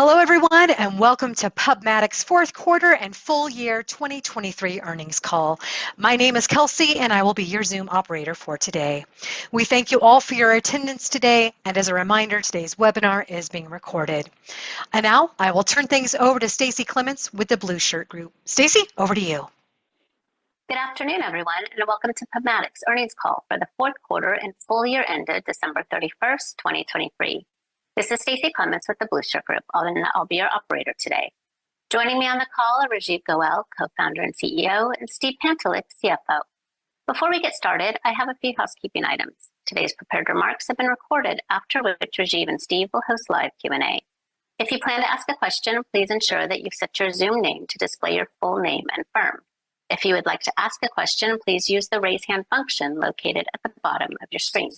Hello, everyone, and welcome to PubMatic's Fourth Quarter and Full Year 2023 Earnings call. My name is Kelsey, and I will be your Zoom operator for today. We thank you all for your attendance today, and as a reminder, today's webinar is being recorded. Now I will turn things over to Stacie Clements with the Blueshirt Group. Stacie, over to you. Good afternoon, everyone, and welcome to PubMatic's earnings call for the fourth quarter and full year ended December 31, 2023. This is Stacie Clements with the Blueshirt Group, and I'll be your operator today. Joining me on the call are Rajeev Goel, Co-founder and CEO, and Steve Pantelick, CFO. Before we get started, I have a few housekeeping items. Today's prepared remarks have been recorded, after which Rajeev and Steve will host live Q&A. If you plan to ask a question, please ensure that you've set your Zoom name to display your full name and firm. If you would like to ask a question, please use the Raise Hand function located at the bottom of your screen.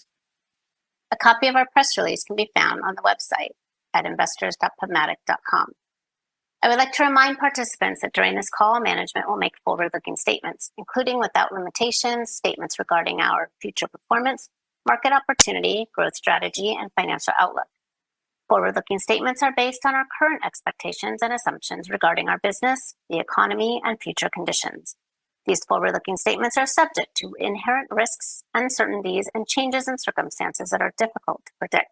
A copy of our press release can be found on the website at investors.pubmatic.com.I would like to remind participants that during this call, management will make forward-looking statements, including, without limitation, statements regarding our future performance, market opportunity, growth strategy, and financial outlook. Forward-looking statements are based on our current expectations and assumptions regarding our business, the economy, and future conditions. These forward-looking statements are subject to inherent risks, uncertainties, and changes in circumstances that are difficult to predict.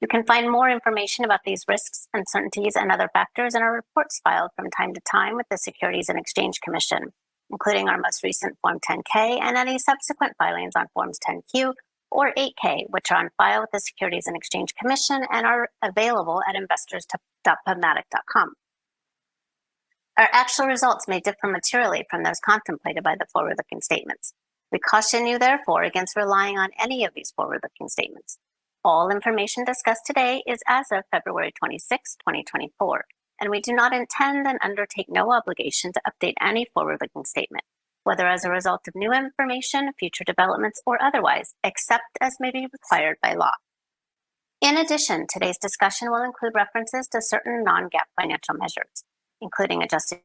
You can find more information about these risks, uncertainties, and other factors in our reports filed from time to time with the Securities and Exchange Commission, including our most recent Form 10-K and any subsequent filings on Forms 10-Q or 8-K, which are on file with the Securities and Exchange Commission and are available at investors.pubmatic.com. Our actual results may differ materially from those contemplated by the forward-looking statements. We caution you, therefore, against relying on any of these forward-looking statements. All information discussed today is as of February 26, 2024, and we do not intend and undertake no obligation to update any forward-looking statement, whether as a result of new information, future developments, or otherwise, except as may be required by law. In addition, today's discussion will include references to certain non-GAAP financial measures, including Adjusted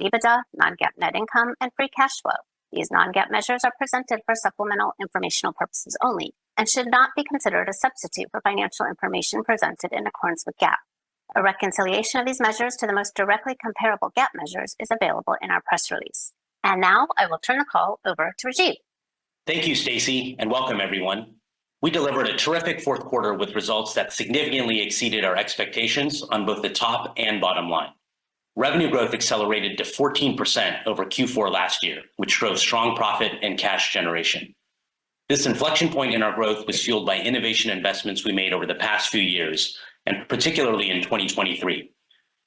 EBITDA, non-GAAP net income, and free cash flow. These non-GAAP measures are presented for supplemental informational purposes only and should not be considered a substitute for financial information presented in accordance with GAAP. A reconciliation of these measures to the most directly comparable GAAP measures is available in our press release. And now I will turn the call over to Rajeev. Thank you, Stacie, and welcome everyone. We delivered a terrific fourth quarter with results that significantly exceeded our expectations on both the top and bottom line. Revenue growth accelerated to 14% over Q4 last year, which drove strong profit and cash generation. This inflection point in our growth was fueled by innovation investments we made over the past few years, and particularly in 2023.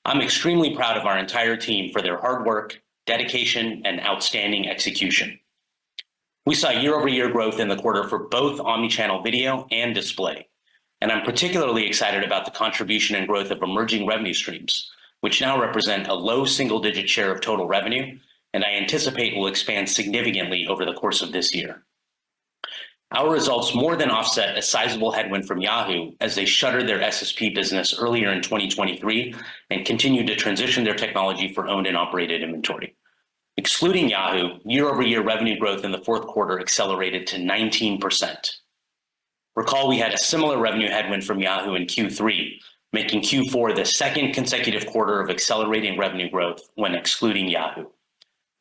I'm extremely proud of our entire team for their hard work, dedication, and outstanding execution. We saw year-over-year growth in the quarter for both omnichannel video and display, and I'm particularly excited about the contribution and growth of emerging revenue streams, which now represent a low single-digit share of total revenue and I anticipate will expand significantly over the course of this year. Our results more than offset a sizable headwind from Yahoo. As they shuttered their SSP business earlier in 2023 and continued to transition their technology for owned and operated inventory. Excluding Yahoo, year-over-year revenue growth in the fourth quarter accelerated to 19%. Recall, we had a similar revenue headwind from Yahoo in Q3, making Q4 the second consecutive quarter of accelerating revenue growth when excluding Yahoo.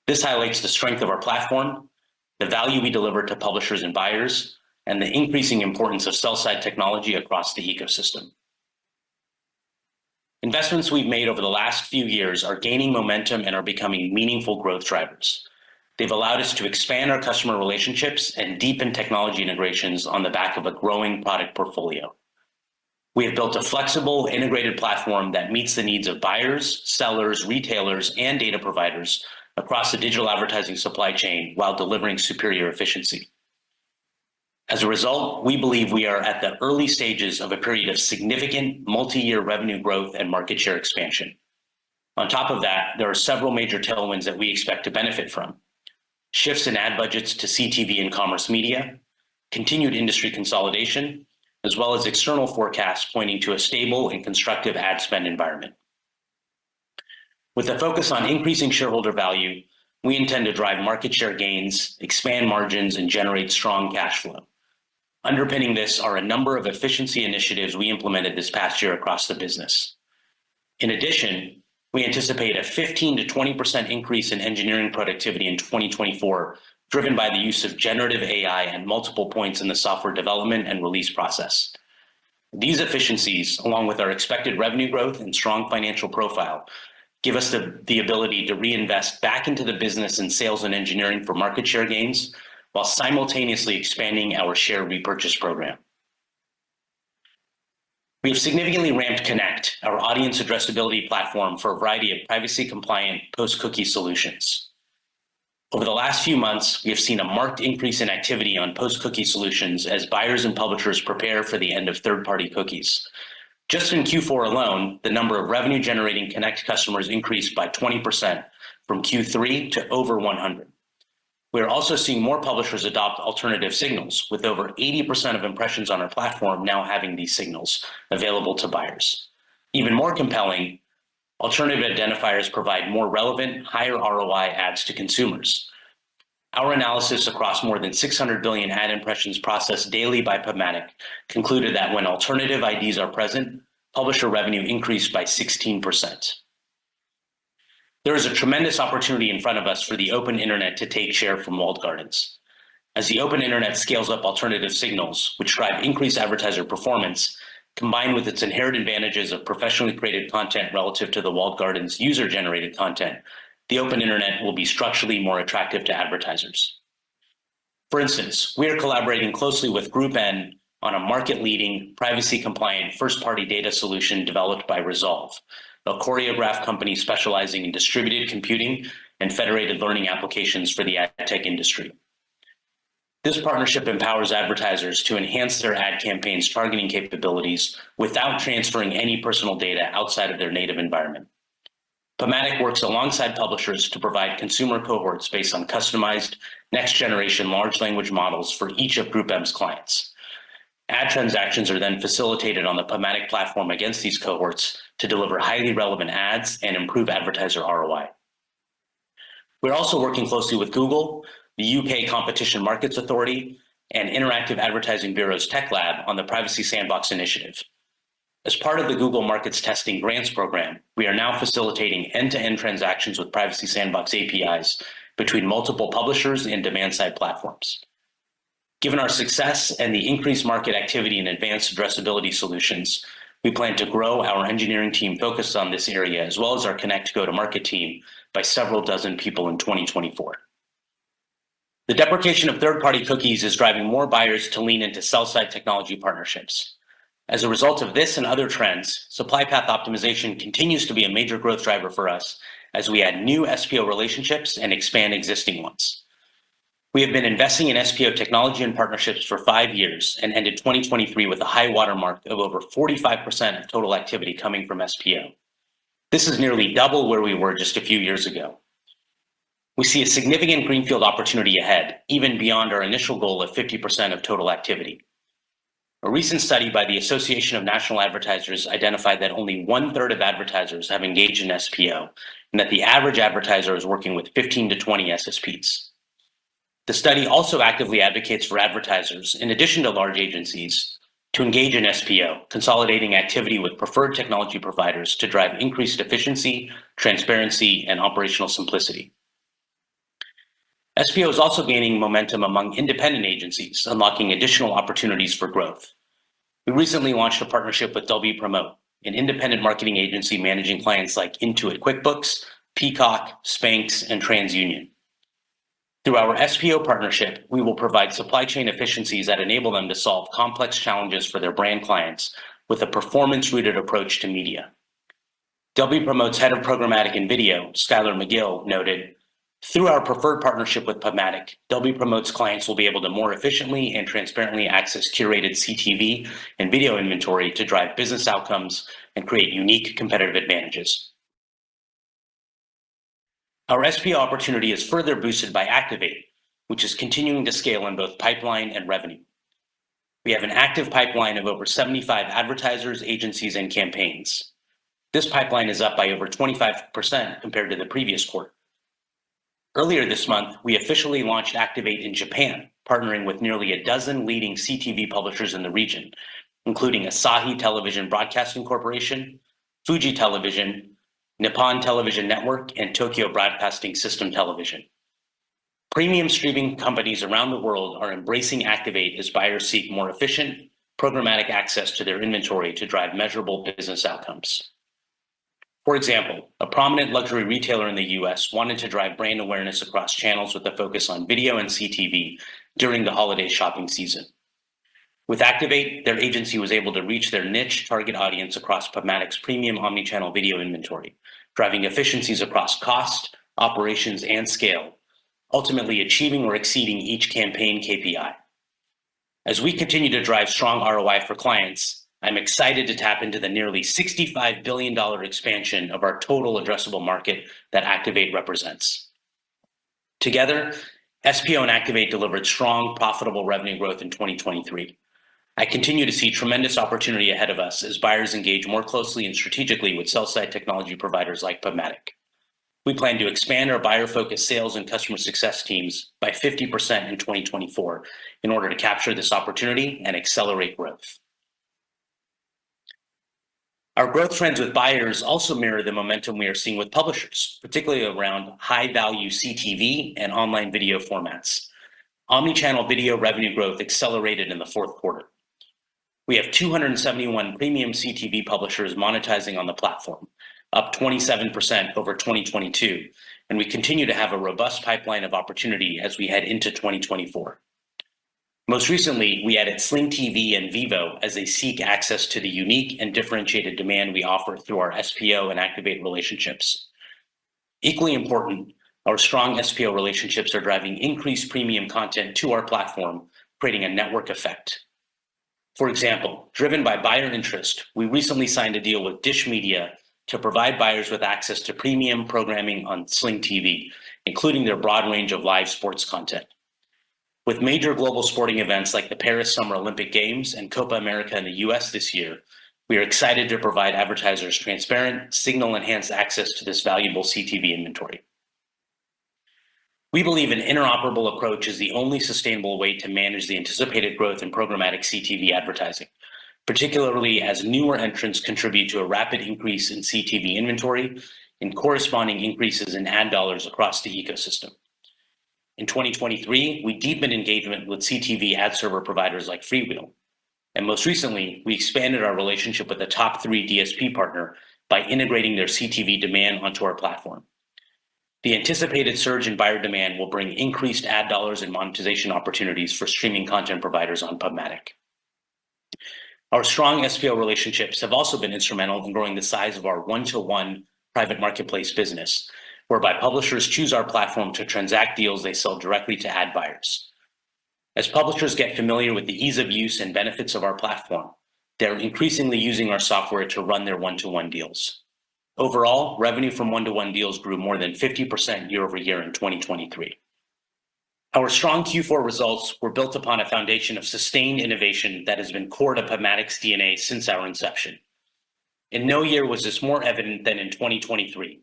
This highlights the strength of our platform, the value we deliver to publishers and buyers, and the increasing importance of sell-side technology across the ecosystem. Investments we've made over the last few years are gaining momentum and are becoming meaningful growth drivers. They've allowed us to expand our customer relationships and deepen technology integrations on the back of a growing product portfolio. We have built a flexible, integrated platform that meets the needs of buyers, sellers, retailers, and data providers across the digital advertising supply chain while delivering superior efficiency. As a result, we believe we are at the early stages of a period of significant multi-year revenue growth and market share expansion. On top of that, there are several major tailwinds that we expect to benefit from: shifts in ad budgets to CTV and commerce media, continued industry consolidation, as well as external forecasts pointing to a stable and constructive ad spend environment. With a focus on increasing shareholder value, we intend to drive market share gains, expand margins, and generate strong cash flow. Underpinning this are a number of efficiency initiatives we implemented this past year across the business. In addition, we anticipate a 15%-20% increase in engineering productivity in 2024, driven by the use of generative AI at multiple points in the software development and release process. These efficiencies, along with our expected revenue growth and strong financial profile, give us the ability to reinvest back into the business in sales and engineering for market share gains, while simultaneously expanding our share repurchase program. We've significantly ramped Connect, our audience addressability platform, for a variety of privacy-compliant post-cookie solutions. Over the last few months, we have seen a marked increase in activity on post-cookie solutions as buyers and publishers prepare for the end of third-party cookies. Just in Q4 alone, the number of revenue-generating Connect customers increased by 20% from Q3 to over 100. We are also seeing more publishers adopt alternative signals, with over 80% of impressions on our platform now having these signals available to buyers. Even more compelling... Alternative identifiers provide more relevant, higher ROI ads to consumers. Our analysis across more than 600 billion ad impressions processed daily by PubMatic concluded that when alternative IDs are present, publisher revenue increased by 16%. There is a tremendous opportunity in front of us for the open internet to take share from walled gardens. As the open internet scales up alternative signals, which drive increased advertiser performance, combined with its inherent advantages of professionally created content relative to the walled gardens' user-generated content, the open internet will be structurally more attractive to advertisers. For instance, we are collaborating closely with GroupM on a market-leading, privacy-compliant, first-party data solution developed by Resolve, a Choreograph company specializing in distributed computing and federated learning applications for the ad tech industry. This partnership empowers advertisers to enhance their ad campaigns' targeting capabilities without transferring any personal data outside of their native environment. PubMatic works alongside publishers to provide consumer cohorts based on customized, next-generation large language models for each of GroupM's clients. Ad transactions are then facilitated on the PubMatic platform against these cohorts to deliver highly relevant ads and improve advertiser ROI. We're also working closely with Google, the UK Competition and Markets Authority, and Interactive Advertising Bureau's Tech Lab on the Privacy Sandbox Initiative. As part of the Google Markets Testing Grants program, we are now facilitating end-to-end transactions with Privacy Sandbox APIs between multiple publishers and demand-side platforms. Given our success and the increased market activity in advanced addressability solutions, we plan to grow our engineering team focused on this area, as well as our Connect go-to-market team, by several dozen people in 2024. The deprecation of third-party cookies is driving more buyers to lean into sell-side technology partnerships. As a result of this and other trends, supply path optimization continues to be a major growth driver for us as we add new SPO relationships and expand existing ones. We have been investing in SPO technology and partnerships for five years and ended 2023 with a high water mark of over 45% of total activity coming from SPO. This is nearly double where we were just a few years ago. We see a significant greenfield opportunity ahead, even beyond our initial goal of 50% of total activity. A recent study by the Association of National Advertisers identified that only 1/3 of advertisers have engaged in SPO, and that the average advertiser is working with 15-20 SSPs.The study also actively advocates for advertisers, in addition to large agencies, to engage in SPO, consolidating activity with preferred technology providers to drive increased efficiency, transparency, and operational simplicity. SPO is also gaining momentum among independent agencies, unlocking additional opportunities for growth. We recently launched a partnership with Wpromote, an independent marketing agency managing clients like Intuit QuickBooks, Peacock, Spanx, and TransUnion. Through our SPO partnership, we will provide supply chain efficiencies that enable them to solve complex challenges for their brand clients with a performance-rooted approach to media. Wpromote's Head of Programmatic and Video, Skyler McGill, noted, "Through our preferred partnership with PubMatic, Wpromote's clients will be able to more efficiently and transparently access curated CTV and video inventory to drive business outcomes and create unique competitive advantages." Our SPO opportunity is further boosted by Activate, which is continuing to scale in both pipeline and revenue. We have an active pipeline of over 75 advertisers, agencies, and campaigns. This pipeline is up by over 25% compared to the previous quarter. Earlier this month, we officially launched Activate in Japan, partnering with nearly a dozen leading CTV publishers in the region, including Asahi Television Broadcasting Corporation, Fuji Television, Nippon Television Network, and Tokyo Broadcasting System Television. Premium streaming companies around the world are embracing Activate as buyers seek more efficient programmatic access to their inventory to drive measurable business outcomes. For example, a prominent luxury retailer in the U.S. wanted to drive brand awareness across channels with a focus on video and CTV during the holiday shopping season. With Activate, their agency was able to reach their niche target audience across PubMatic's premium omnichannel video inventory, driving efficiencies across cost, operations, and scale, ultimately achieving or exceeding each campaign KPI.As we continue to drive strong ROI for clients, I'm excited to tap into the nearly $65 billion expansion of our total addressable market that Activate represents. Together, SPO and Activate delivered strong, profitable revenue growth in 2023. I continue to see tremendous opportunity ahead of us as buyers engage more closely and strategically with sell-side technology providers like PubMatic. We plan to expand our buyer-focused sales and customer success teams by 50% in 2024 in order to capture this opportunity and accelerate growth. Our growth trends with buyers also mirror the momentum we are seeing with publishers, particularly around high-value CTV and online video formats. omnichannel video revenue growth accelerated in the fourth quarter. We have 271 premium CTV publishers monetizing on the platform, up 27% over 2022, and we continue to have a robust pipeline of opportunity as we head into 2024. Most recently, we added Sling TV and Vevo as they seek access to the unique and differentiated demand we offer through our SPO and Activate relationships. Equally important, our strong SPO relationships are driving increased premium content to our platform, creating a network effect. For example, driven by buyer interest, we recently signed a deal with DISH Media to provide buyers with access to premium programming on Sling TV, including their broad range of live sports content. With major global sporting events like the Paris Summer Olympic Games and Copa America in the U.S. this year, we are excited to provide advertisers transparent, signal-enhanced access to this valuable CTV inventory. We believe an interoperable approach is the only sustainable way to manage the anticipated growth in programmatic CTV advertising, particularly as newer entrants contribute to a rapid increase in CTV inventory and corresponding increases in ad dollars across the ecosystem. In 2023, we deepened engagement with CTV ad server providers like FreeWheel, and most recently, we expanded our relationship with the top three DSP partner by integrating their CTV demand onto our platform. The anticipated surge in buyer demand will bring increased ad dollars and monetization opportunities for streaming content providers on PubMatic. Our strong SPO relationships have also been instrumental in growing the size of our one-to-one private marketplace business, whereby publishers choose our platform to transact deals they sell directly to ad buyers. As publishers get familiar with the ease of use and benefits of our platform, they're increasingly using our software to run their one-to-one deals. Overall, revenue from one-to-one deals grew more than 50% year-over-year in 2023. Our strong Q4 results were built upon a foundation of sustained innovation that has been core to PubMatic's DNA since our inception. In no year was this more evident than in 2023.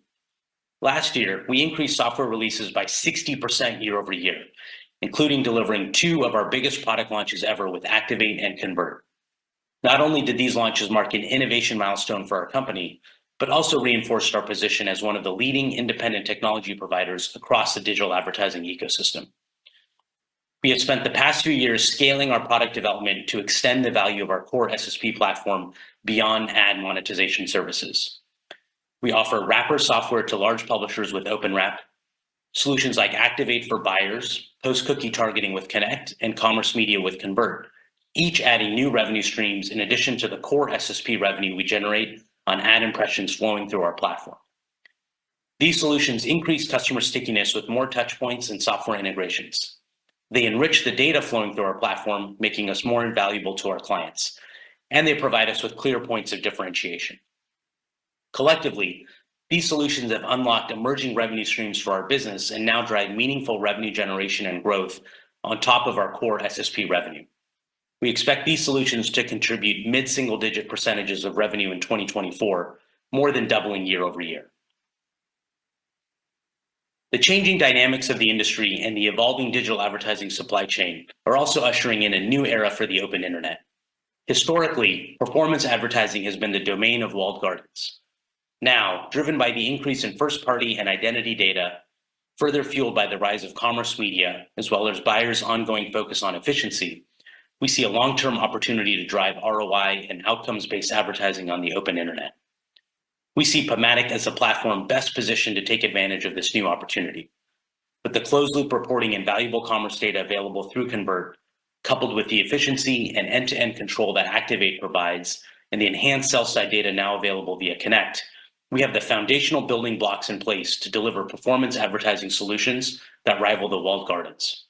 Last year, we increased software releases by 60% year-over-year, including delivering two of our biggest product launches ever with Activate and Convert. Not only did these launches mark an innovation milestone for our company, but also reinforced our position as one of the leading independent technology providers across the digital advertising ecosystem. We have spent the past few years scaling our product development to extend the value of our core SSP platform beyond ad monetization services. We offer wrapper software to large publishers with OpenWrap, solutions like Activate for buyers, post-cookie targeting with Connect, and commerce media with Convert, each adding new revenue streams in addition to the core SSP revenue we generate on ad impressions flowing through our platform. These solutions increase customer stickiness with more touch points and software integrations. They enrich the data flowing through our platform, making us more invaluable to our clients, and they provide us with clear points of differentiation. Collectively, these solutions have unlocked emerging revenue streams for our business and now drive meaningful revenue generation and growth on top of our core SSP revenue. We expect these solutions to contribute mid-single-digit percentage of revenue in 2024, more than doubling year-over-year. The changing dynamics of the industry and the evolving digital advertising supply chain are also ushering in a new era for the open internet. Historically, performance advertising has been the domain of walled gardens. Now, driven by the increase in first-party and identity data, further fueled by the rise of commerce media, as well as buyers' ongoing focus on efficiency, we see a long-term opportunity to drive ROI and outcomes-based advertising on the open internet. We see PubMatic as the platform best positioned to take advantage of this new opportunity. With the closed-loop reporting and valuable commerce data available through Convert, coupled with the efficiency and end-to-end control that Activate provides and the enhanced sell-side data now available via Connect, we have the foundational building blocks in place to deliver performance advertising solutions that rival the walled gardens.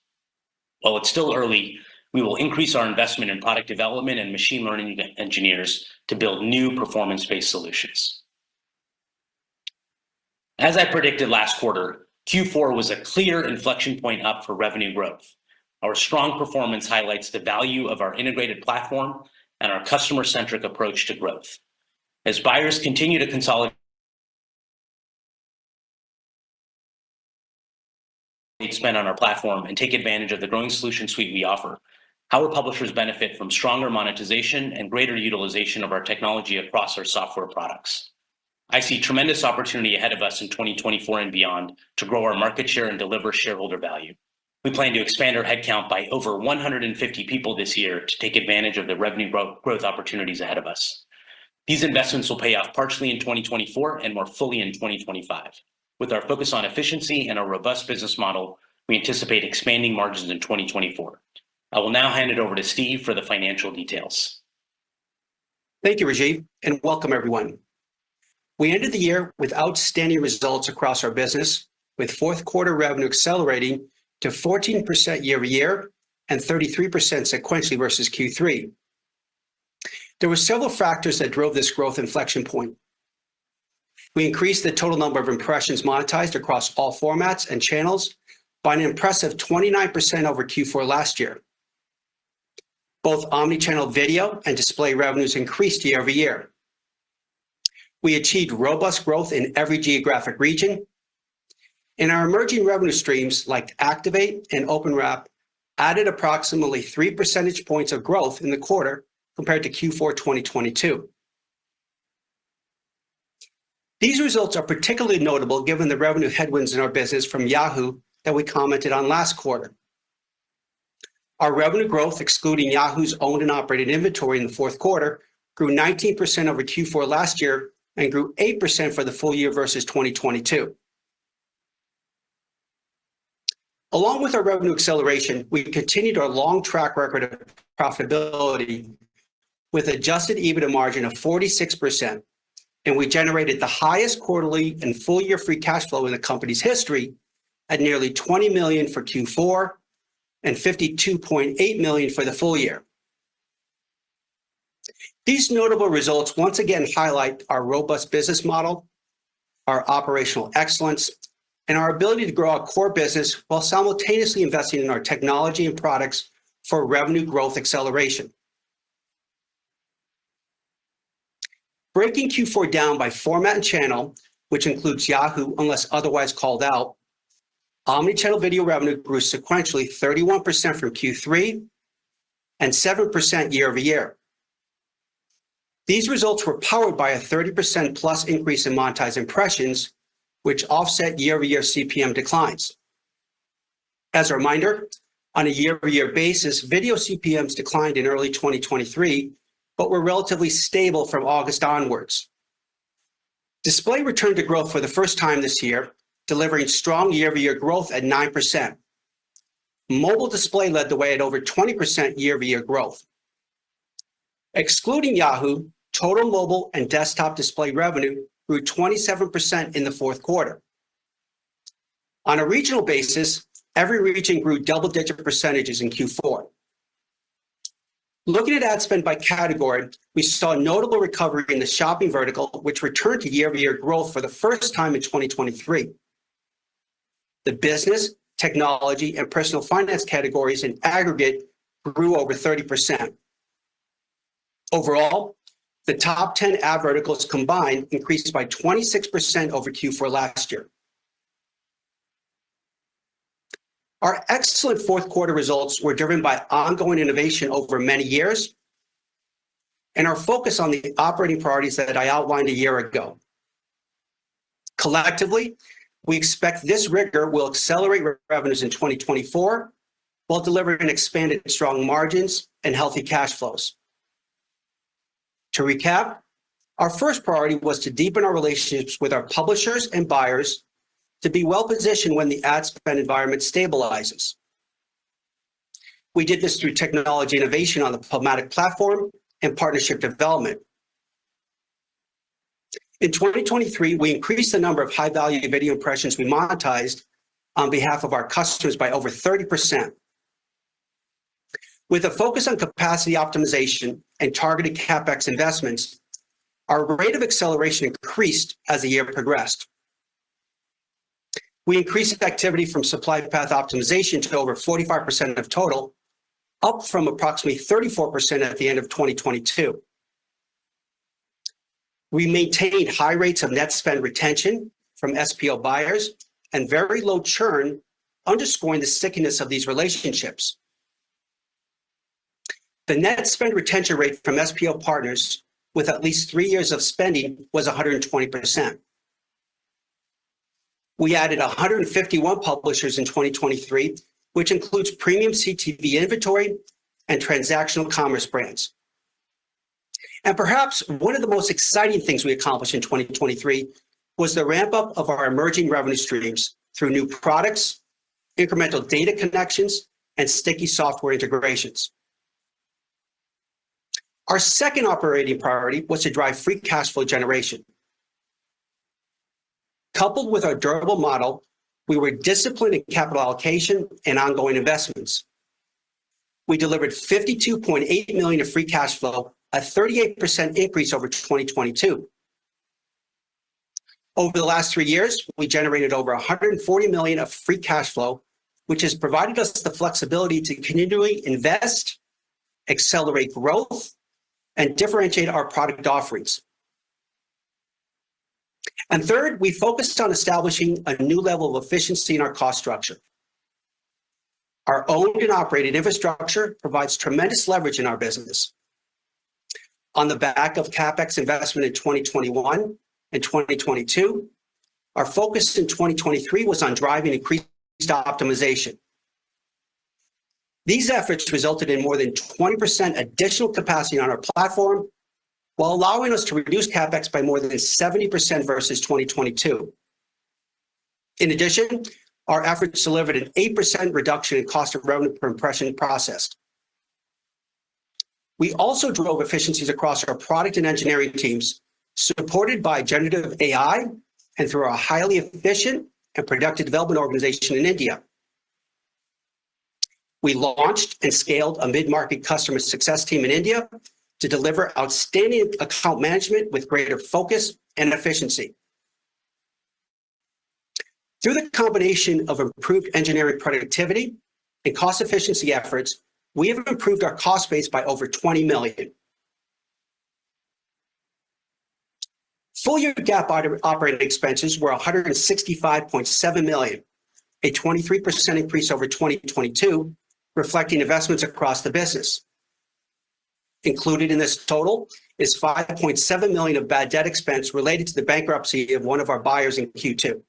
While it's still early, we will increase our investment in product development and machine learning engineers to build new performance-based solutions. As I predicted last quarter, Q4 was a clear inflection point up for revenue growth. Our strong performance highlights the value of our integrated platform and our customer-centric approach to growth. As buyers continue to consolidate spend on our platform and take advantage of the growing solution suite we offer, our publishers benefit from stronger monetization and greater utilization of our technology across our software products. I see tremendous opportunity ahead of us in 2024 and beyond to grow our market share and deliver shareholder value. We plan to expand our headcount by over 150 people this year to take advantage of the revenue growth opportunities ahead of us. These investments will pay off partially in 2024 and more fully in 2025. With our focus on efficiency and a robust business model, we anticipate expanding margins in 2024. I will now hand it over to Steve for the financial details. Thank you, Rajeev, and welcome everyone. We ended the year with outstanding results across our business, with fourth quarter revenue accelerating to 14% year-over-year and 33% sequentially versus Q3. There were several factors that drove this growth inflection point. We increased the total number of impressions monetized across all formats and channels by an impressive 29% over Q4 last year. Both omnichannel video and display revenues increased year-over-year. We achieved robust growth in every geographic region, and our emerging revenue streams, like Activate and OpenWrap, added approximately three percentage points of growth in the quarter compared to Q4 2022. These results are particularly notable given the revenue headwinds in our business from Yahoo that we commented on last quarter. Our revenue growth, excluding Yahoo's owned and operated inventory in the fourth quarter, grew 19% over Q4 last year and grew 8% for the full year versus 2022. Along with our revenue acceleration, we've continued our long track record of profitability with Adjusted EBITDA margin of 46%, and we generated the highest quarterly and full-year Free Cash Flow in the company's history at nearly $20 million for Q4 and $52.8 million for the full year. These notable results once again highlight our robust business model, our operational excellence, and our ability to grow our core business while simultaneously investing in our technology and products for revenue growth acceleration. Breaking Q4 down by format and channel, which includes Yahoo unless otherwise called out, omnichannel Video revenue grew sequentially 31% from Q3 and 7% year-over-year. These results were powered by a 30%+ increase in monetized impressions, which offset year-over-year CPM declines. As a reminder, on a year-over-year basis, video CPMs declined in early 2023, but were relatively stable from August onwards. Display returned to growth for the first time this year, delivering strong year-over-year growth at 9%. Mobile display led the way at over 20% year-over-year growth. Excluding Yahoo, total mobile and desktop display revenue grew 27% in the fourth quarter. On a regional basis, every region grew double-digit percentages in Q4. Looking at ad spend by category, we saw a notable recovery in the shopping vertical, which returned to year-over-year growth for the first time in 2023. The business, technology, and personal finance categories in aggregate grew over 30%. Overall, the top ten ad verticals combined increased by 26% over Q4 last year. Our excellent fourth quarter results were driven by ongoing innovation over many years and our focus on the operating priorities that I outlined a year ago. Collectively, we expect this rigor will accelerate revenues in 2024, while delivering expanded strong margins and healthy cash flows. To recap, our first priority was to deepen our relationships with our publishers and buyers to be well-positioned when the ad spend environment stabilizes. We did this through technology innovation on the programmatic platform and partnership development. In 2023, we increased the number of high-value video impressions we monetized on behalf of our customers by over 30%. With a focus on capacity optimization and targeted CapEx investments, our rate of acceleration increased as the year progressed. We increased activity from supply path optimization to over 45% of total, up from approximately 34% at the end of 2022.We maintained high rates of net spend retention from SPO buyers and very low churn, underscoring the stickiness of these relationships. The net spend retention rate from SPO partners with at least three years of spending was 120%. We added 151 publishers in 2023, which includes premium CTV inventory and transactional commerce brands. And perhaps one of the most exciting things we accomplished in 2023 was the ramp-up of our emerging revenue streams through new products, incremental data connections, and sticky software integrations. Our second operating priority was to drive free cash flow generation. Coupled with our durable model, we were disciplined in capital allocation and ongoing investments. We delivered $52.8 million of free cash flow, a 38% increase over 2022. Over the last three years, we generated over $140 million of free cash flow, which has provided us the flexibility to continually invest, accelerate growth, and differentiate our product offerings. And third, we focused on establishing a new level of efficiency in our cost structure. Our owned and operated infrastructure provides tremendous leverage in our business. On the back of CapEx investment in 2021 and 2022, our focus in 2023 was on driving increased optimization. These efforts resulted in more than 20% additional capacity on our platform, while allowing us to reduce CapEx by more than 70% versus 2022. In addition, our efforts delivered an 8% reduction in cost of revenue per impression processed. We also drove efficiencies across our product and engineering teams, supported by generative AI and through a highly efficient and productive development organization in India. We launched and scaled a mid-market customer success team in India to deliver outstanding account management with greater focus and efficiency. Through the combination of improved engineering productivity and cost efficiency efforts, we have improved our cost base by over $20 million. Full-year GAAP operating expenses were $165.7 million, a 23% increase over 2022, reflecting investments across the business. Included in this total is $5.7 million of bad debt expense related to the bankruptcy of one of our buyers in Q2.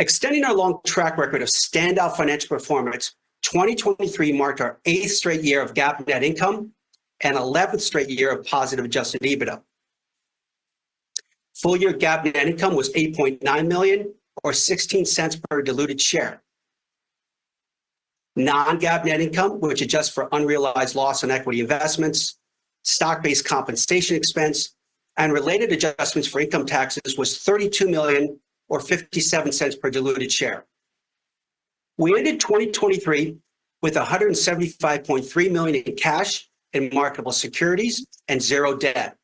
Extending our long track record of standout financial performance, 2023 marked our eighth straight year of GAAP net income and eleventh straight year of positive Adjusted EBITDA. Full-year GAAP net income was $8.9 million or $0.16 per diluted share. Non-GAAP net income, which adjusts for unrealized loss in equity investments-...Stock-based compensation expense and related adjustments for income taxes was $32 million, or $0.57 per diluted share. We ended 2023 with $175.3 million in cash and marketable securities and $0 debt.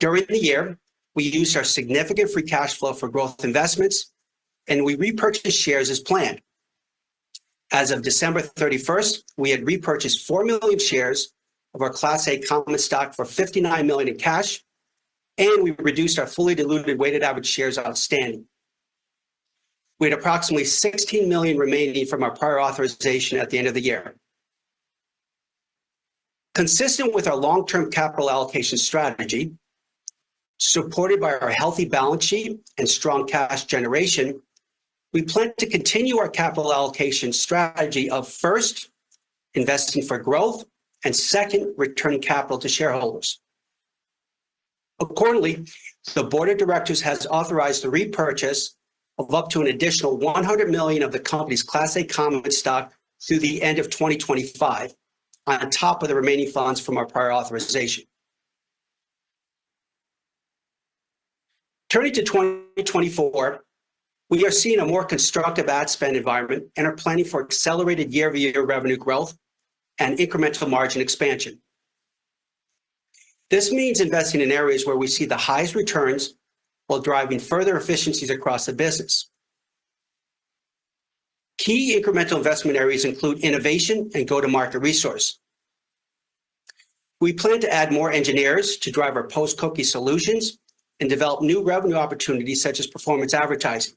During the year, we used our significant free cash flow for growth investments, and we repurchased shares as planned. As of December 31, we had repurchased 4 million shares of our Class A common stock for $59 million in cash, and we reduced our fully diluted weighted average shares outstanding. We had approximately 16 million remaining from our prior authorization at the end of the year. Consistent with our long-term capital allocation strategy, supported by our healthy balance sheet and strong cash generation, we plan to continue our capital allocation strategy of, first, investing for growth, and second, returning capital to shareholders. Accordingly, the board of directors has authorized the repurchase of up to an additional $100 million of the company's Class A common stock through the end of 2025, on top of the remaining funds from our prior authorization. Turning to 2024, we are seeing a more constructive ad spend environment and are planning for accelerated year-over-year revenue growth and incremental margin expansion. This means investing in areas where we see the highest returns while driving further efficiencies across the business. Key incremental investment areas include innovation and go-to-market resource. We plan to add more engineers to drive our post-cookie solutions and develop new revenue opportunities, such as performance advertising.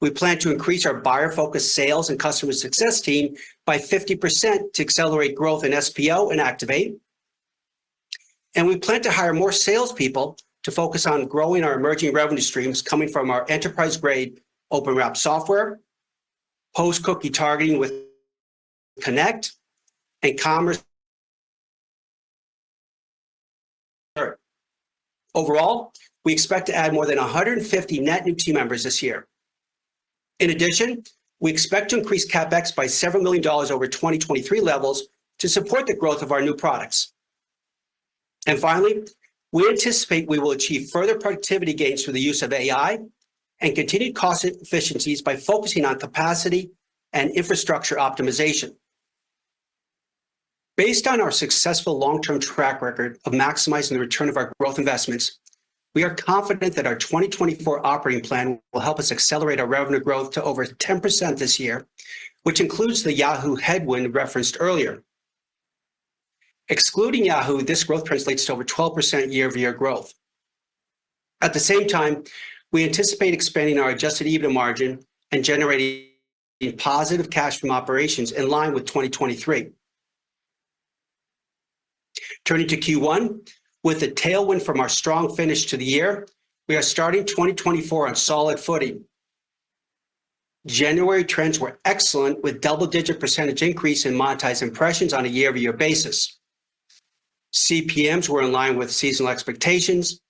We plan to increase our buyer-focused sales and customer success team by 50% to accelerate growth in SPO and Activate.We plan to hire more salespeople to focus on growing our emerging revenue streams coming from our enterprise-grade OpenWrap software, post-cookie targeting with Connect, and commerce. Overall, we expect to add more than 150 net new team members this year. In addition, we expect to increase CapEx by several million dollars over 2023 levels to support the growth of our new products. Finally, we anticipate we will achieve further productivity gains through the use of AI and continued cost efficiencies by focusing on capacity and infrastructure optimization. Based on our successful long-term track record of maximizing the return of our growth investments, we are confident that our 2024 operating plan will help us accelerate our revenue growth to over 10% this year, which includes the Yahoo headwindreferenced earlier. Excluding Yahoo, this growth translates to over 12% year-over-year growth. At the same time, we anticipate expanding our Adjusted EBITDA margin and generating positive cash from operations in line with 2023. Turning to Q1, with a tailwind from our strong finish to the year, we are starting 2024 on solid footing. January trends were excellent, with double-digit % increase in monetized impressions on a year-over-year basis. CPMs were in line with seasonal expectations,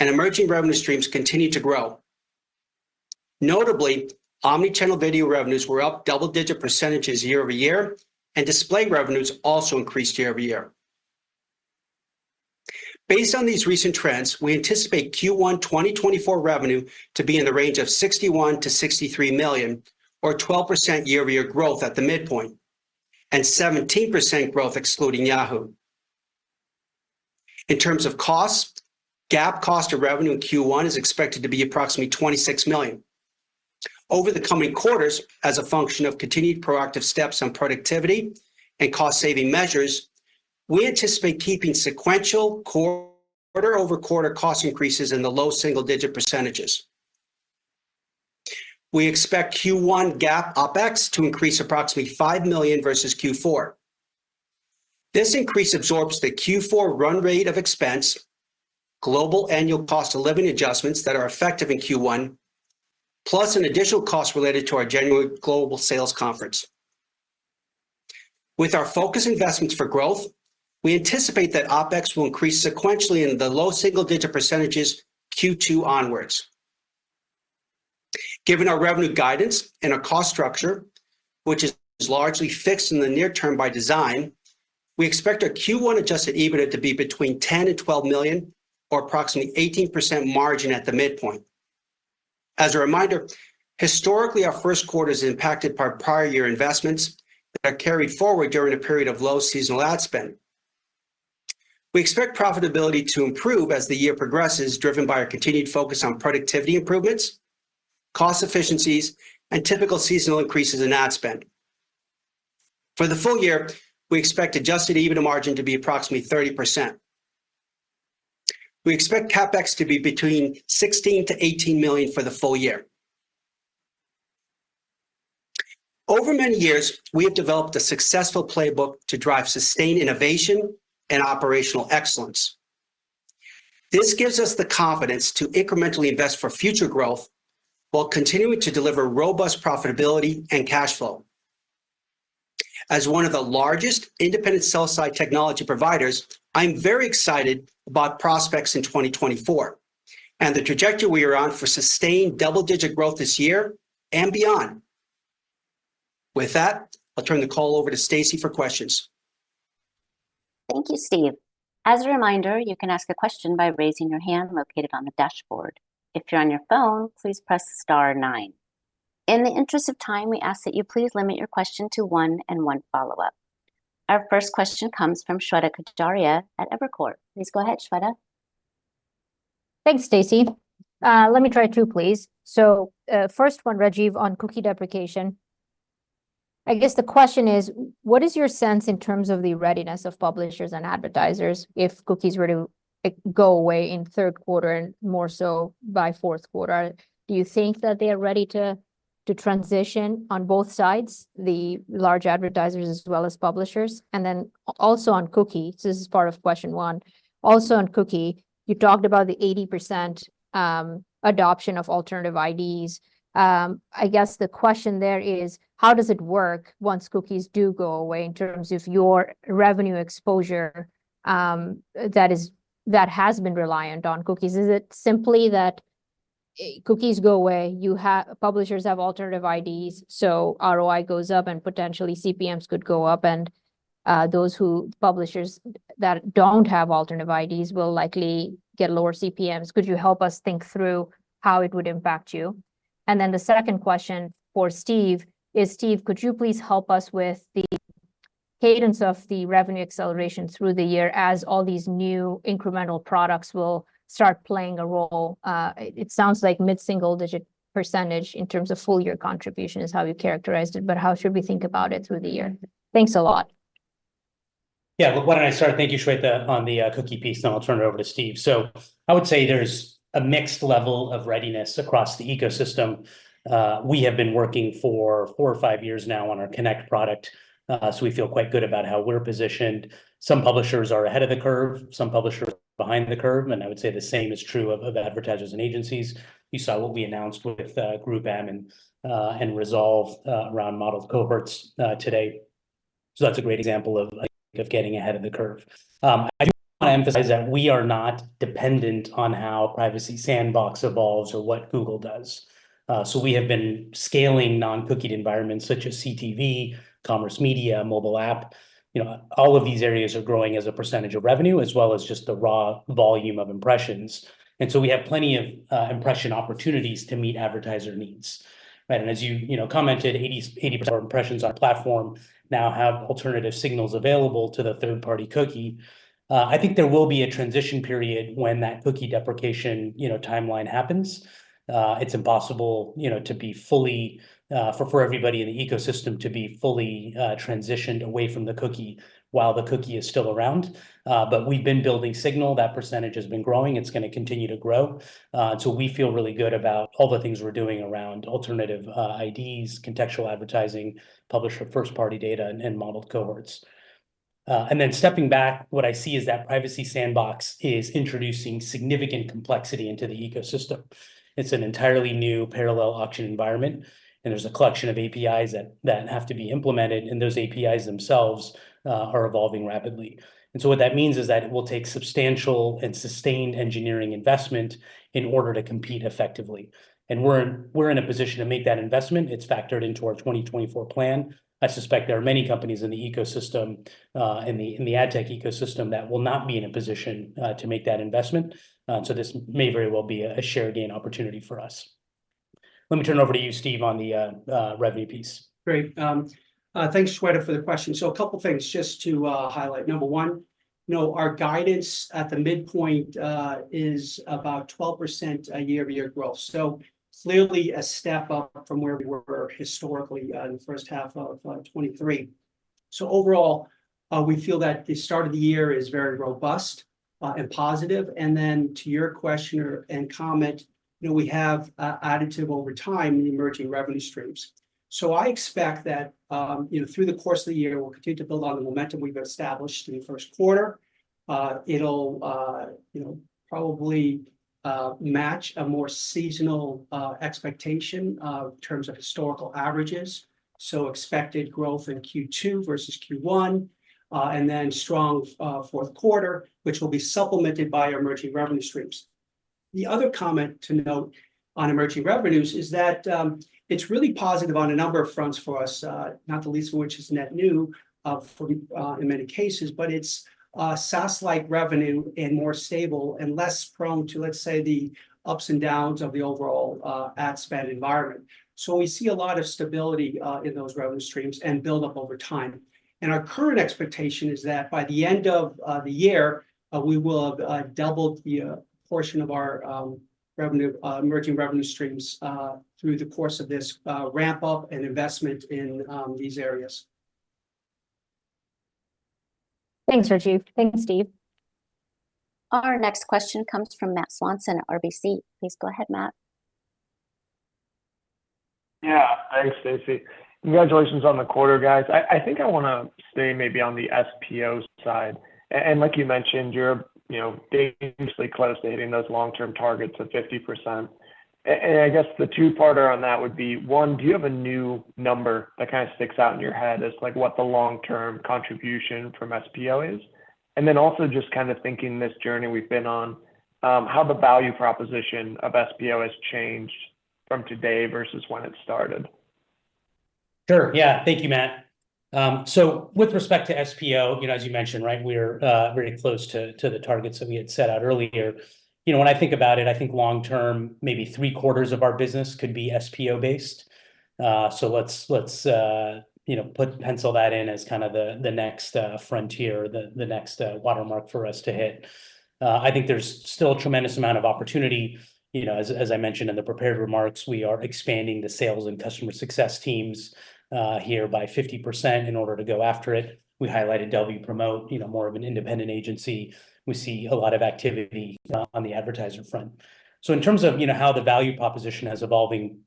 and emerging revenue streams continued to grow. Notably, omnichannel video revenues were up double-digit % year-over-year, and display revenues also increased year-over-year. Based on these recent trends, we anticipate Q1 2024 revenue to be in the range of $61 million-$63 million, or 12% year-over-year growth at the midpoint, and 17% growth excluding Yahoo. In terms of cost, GAAP cost of revenue in Q1 is expected to be approximately $26 million. Over the coming quarters, as a function of continued proactive steps on productivity and cost-saving measures, we anticipate keeping sequential quarter-over-quarter cost increases in the low single-digit percentages. We expect Q1 GAAP OpEx to increase approximately $5 million versus Q4. This increase absorbs the Q4 run rate of expense, global annual cost of living adjustments that are effective in Q1, plus an additional cost related to our January global sales conference. With our focus investments for growth, we anticipate that OpEx will increase sequentially in the low single-digit percentages Q2 onwards. Given our revenue guidance and our cost structure, which is largely fixed in the near term by design, we expect our Q1 Adjusted EBITDA to be between $10 million and $12 million, or approximately 18% margin at the midpoint. As a reminder, historically, our first quarter is impacted by prior year investments that are carried forward during a period of low seasonal ad spend. We expect profitability to improve as the year progresses, driven by our continued focus on productivity improvements, cost efficiencies, and typical seasonal increases in ad spend. For the full year, we expect Adjusted EBITDA margin to be approximately 30%. We expect CapEx to be between $16 million-$18 million for the full year. Over many years, we have developed a successful playbook to drive sustained innovation and operational excellence. This gives us the confidence to incrementally invest for future growth while continuing to deliver robust profitability and cash flow. As one of the largest independent sell-side technology providers, I'm very excited about prospects in 2024 and the trajectory we are on for sustained double-digit growth this year and beyond....With that, I'll turn the call over to Stacie for questions. Thank you, Steve. As a reminder, you can ask a question by raising your hand located on the dashboard. If you're on your phone, please press star nine. In the interest of time, we ask that you please limit your question to one and one follow-up. Our first question comes from Shweta Khajuria at Evercore. Please go ahead, Shweta. Thanks, Stacie. Let me try two, please. So, first one, Rajeev, on cookie deprecation. I guess the question is, what is your sense in terms of the readiness of publishers and advertisers if cookies were to, like, go away in third quarter and more so by fourth quarter? Do you think that they are ready to transition on both sides, the large advertisers as well as publishers? And then also on cookie, so this is part of question one. Also, on cookie, you talked about the 80% adoption of alternative IDs. I guess the question there is: how does it work once cookies do go away in terms of your revenue exposure, that has been reliant on cookies? Is it simply that, cookies go away, you have... Publishers have alternative IDs, so ROI goes up, and potentially CPMs could go up, and publishers that don't have alternative IDs will likely get lower CPMs? Could you help us think through how it would impact you? And then the second question for Steve is, Steve, could you please help us with the cadence of the revenue acceleration through the year as all these new incremental products will start playing a role? It sounds like mid-single-digit % in terms of full year contribution is how you characterized it, but how should we think about it through the year? Thanks a lot. Yeah, why don't I start? Thank you, Shweta, on the cookie piece, and I'll turn it over to Steve. So I would say there's a mixed level of readiness across the ecosystem. We have been working for four or five years now on our Connect product, so we feel quite good about how we're positioned. Some publishers are ahead of the curve, some publishers are behind the curve, and I would say the same is true of advertisers and agencies. You saw what we announced with GroupM and and Resolve around modeled cohorts today. So that's a great example of, like, of getting ahead of the curve. I do wanna emphasize that we are not dependent on how Privacy Sandbox evolves or what Google does. So we have been scaling non-cookied environments such as CTV, commerce media, mobile app. You know, all of these areas are growing as a percentage of revenue, as well as just the raw volume of impressions. And so we have plenty of impression opportunities to meet advertiser needs, right? And as you, you know, commented, 80, 80% of impressions on our platform now have alternative signals available to the third-party cookie. I think there will be a transition period when that cookie deprecation, you know, timeline happens. It's impossible, you know, to be fully for everybody in the ecosystem to be fully transitioned away from the cookie while the cookie is still around. But we've been building signal. That percentage has been growing, it's gonna continue to grow. So we feel really good about all the things we're doing around alternative IDs, contextual advertising, publisher first-party data, and modeled cohorts. And then stepping back, what I see is that Privacy Sandbox is introducing significant complexity into the ecosystem. It's an entirely new parallel auction environment, and there's a collection of APIs that have to be implemented, and those APIs themselves are evolving rapidly. And so what that means is that it will take substantial and sustained engineering investment in order to compete effectively. And we're in a position to make that investment. It's factored into our 2024 plan. I suspect there are many companies in the ecosystem, in the ad tech ecosystem, that will not be in a position to make that investment. So this may very well be a share gain opportunity for us. Let me turn it over to you, Steve, on the revenue piece. Great. Thanks, Shweta, for the question. So a couple things just to highlight. Number one, you know, our guidance at the midpoint is about 12% year-over-year growth. So clearly a step up from where we were historically in the first half of 2023. So overall, we feel that the start of the year is very robust and positive. And then to your question and comment, you know, we have additive over time in emerging revenue streams. So I expect that, you know, through the course of the year, we'll continue to build on the momentum we've established in the first quarter. It'll, you know, probably match a more seasonal expectation in terms of historical averages. Expected growth in Q2 versus Q1, and then strong fourth quarter, which will be supplemented by our emerging revenue streams. The other comment to note on emerging revenues is that, it's really positive on a number of fronts for us, not the least of which is net new, for, in many cases. But it's SaaS-like revenue and more stable and less prone to, let's say, the ups and downs of the overall ad spend environment. We see a lot of stability in those revenue streams and build up over time. Our current expectation is that by the end of the year, we will have doubled the portion of our revenue emerging revenue streams through the course of this ramp-up and investment in these areas. Thanks, Rajeev. Thanks, Steve. Our next question comes from Matt Swanson, RBC. Please go ahead, Matt. Yeah. Thanks, Stacie. Congratulations on the quarter, guys. I think I wanna stay maybe on the SPO side. And like you mentioned, you're, you know, dangerously close to hitting those long-term targets of 50%. And I guess the two-parter on that would be, one, do you have a new number that kind of sticks out in your head as, like, what the long-term contribution from SPO is? And then also just kind of thinking this journey we've been on, how the value proposition of SPO has changed from today versus when it started? Sure, yeah. Thank you, Matt. So with respect to SPO, you know, as you mentioned, right, we're very close to the targets that we had set out earlier. You know, when I think about it, I think long-term, maybe three quarters of our business could be SPO-based. So let's you know, pencil that in as kind of the next frontier, the next watermark for us to hit. I think there's still a tremendous amount of opportunity. You know, as I mentioned in the prepared remarks, we are expanding the sales and customer success teams here by 50% in order to go after it. We highlighted Wpromote, you know, more of an independent agency. We see a lot of activity on the advertiser front. So in terms of, you know, how the value proposition has evolving,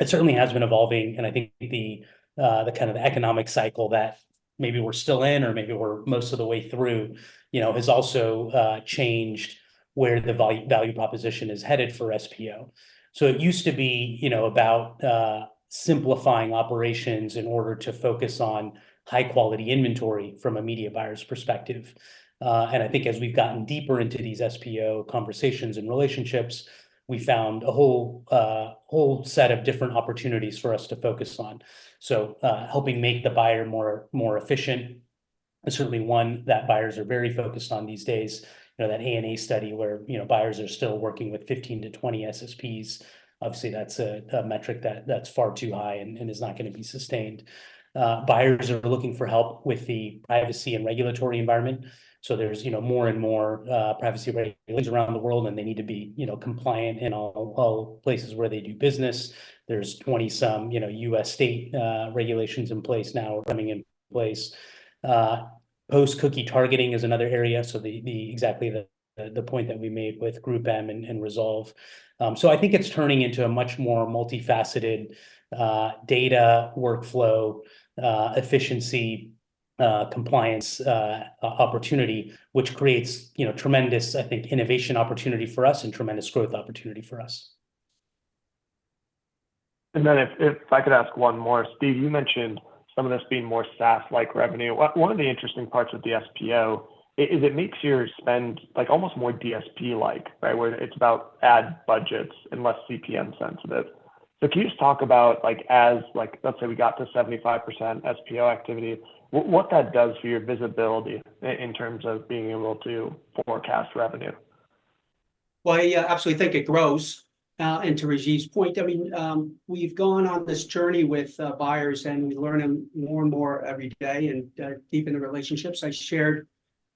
it certainly has been evolving, and I think the, the kind of economic cycle that maybe we're still in, or maybe we're most of the way through, you know, has also changed where the value proposition is headed for SPO. So it used to be, you know, about simplifying operations in order to focus on high-quality inventory from a media buyer's perspective. And I think as we've gotten deeper into these SPO conversations and relationships, we found a whole, whole set of different opportunities for us to focus on. So helping make the buyer more, more efficient is certainly one that buyers are very focused on these days. You know, that ANA study where, you know, buyers are still working with 15-20 SSPs, obviously, that's a metric that's far too high and is not gonna be sustained. Buyers are looking for help with the privacy and regulatory environment, so there's, you know, more and more privacy regulations around the world, and they need to be, you know, compliant in all places where they do business. There's 20-some, you know, US state regulations in place now or coming in place. Post-cookie targeting is another area, so exactly the point that we made with GroupM and Resolve. So I think it's turning into a much more multifaceted data workflow, efficiency, compliance, opportunity, which creates, you know, tremendous, I think, innovation opportunity for us and tremendous growth opportunity for us. And then if I could ask one more. Steve, you mentioned some of this being more SaaS-like revenue. One of the interesting parts of the SPO is it makes your spend, like, almost more DSP-like, right, where it's about ad budgets and less CPM sensitive. So can you just talk about, like, let's say we got to 75% SPO activity, what that does for your visibility in terms of being able to forecast revenue? Well, I absolutely think it grows. And to Rajeev's point, I mean, we've gone on this journey with buyers, and we're learning more and more every day, and deepen the relationships. I shared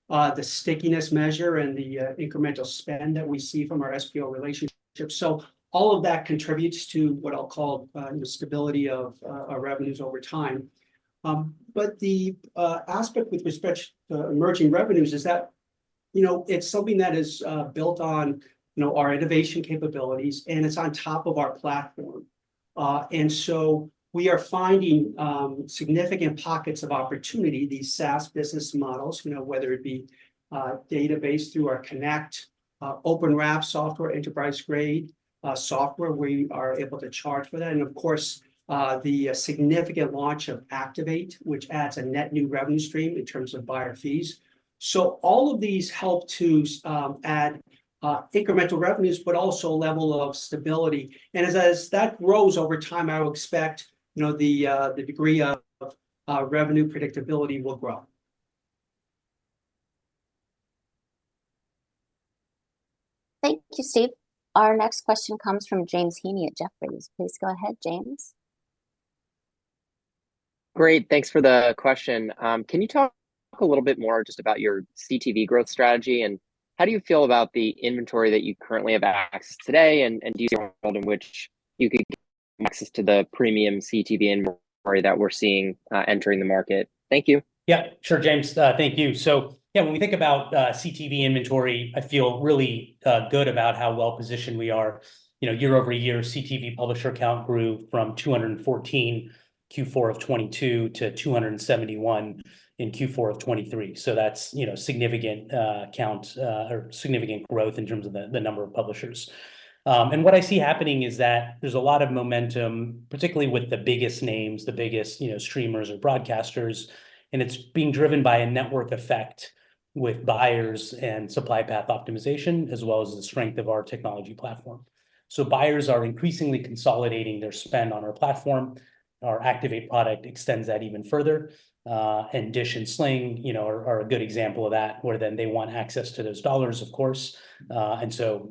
the stickiness measure and the incremental spend that we see from our SPO relationships. So all of that contributes to what I'll call the stability of our revenues over time. But the aspect with respect to emerging revenues is that, you know, it's something that is built on, you know, our innovation capabilities, and it's on top of our platform. And so we are finding significant pockets of opportunity, these SaaS business models, you know, whether it be database through our Connect, OpenWrap software, enterprise-grade software, we are able to charge for that. Of course, the significant launch of Activate, which adds a net new revenue stream in terms of buyer fees. All of these help to add incremental revenues, but also a level of stability. As that grows over time, I would expect, you know, the degree of revenue predictability will grow. Thank you, Steve. Our next question comes from James Heaney at Jefferies. Please go ahead, James. Great, thanks for the question. Can you talk a little bit more just about your CTV growth strategy, and how do you feel about the inventory that you currently have access today, and do you see a world in which you can get access to the premium CTV inventory that we're seeing entering the market? Thank you. Yeah, sure, James. Thank you. So yeah, when we think about CTV inventory, I feel really good about how well-positioned we are. You know, year-over-year, CTV publisher count grew from 214 in Q4 of 2022 to 271 in Q4 of 2023. So that's, you know, significant count or significant growth in terms of the number of publishers. And what I see happening is that there's a lot of momentum, particularly with the biggest names, the biggest streamers or broadcasters, and it's being driven by a network effect with buyers and Supply Path Optimization, as well as the strength of our technology platform. So buyers are increasingly consolidating their spend on our platform. Our Activate product extends that even further. DISH and Sling, you know, are a good example of that, where then they want access to those dollars, of course. And so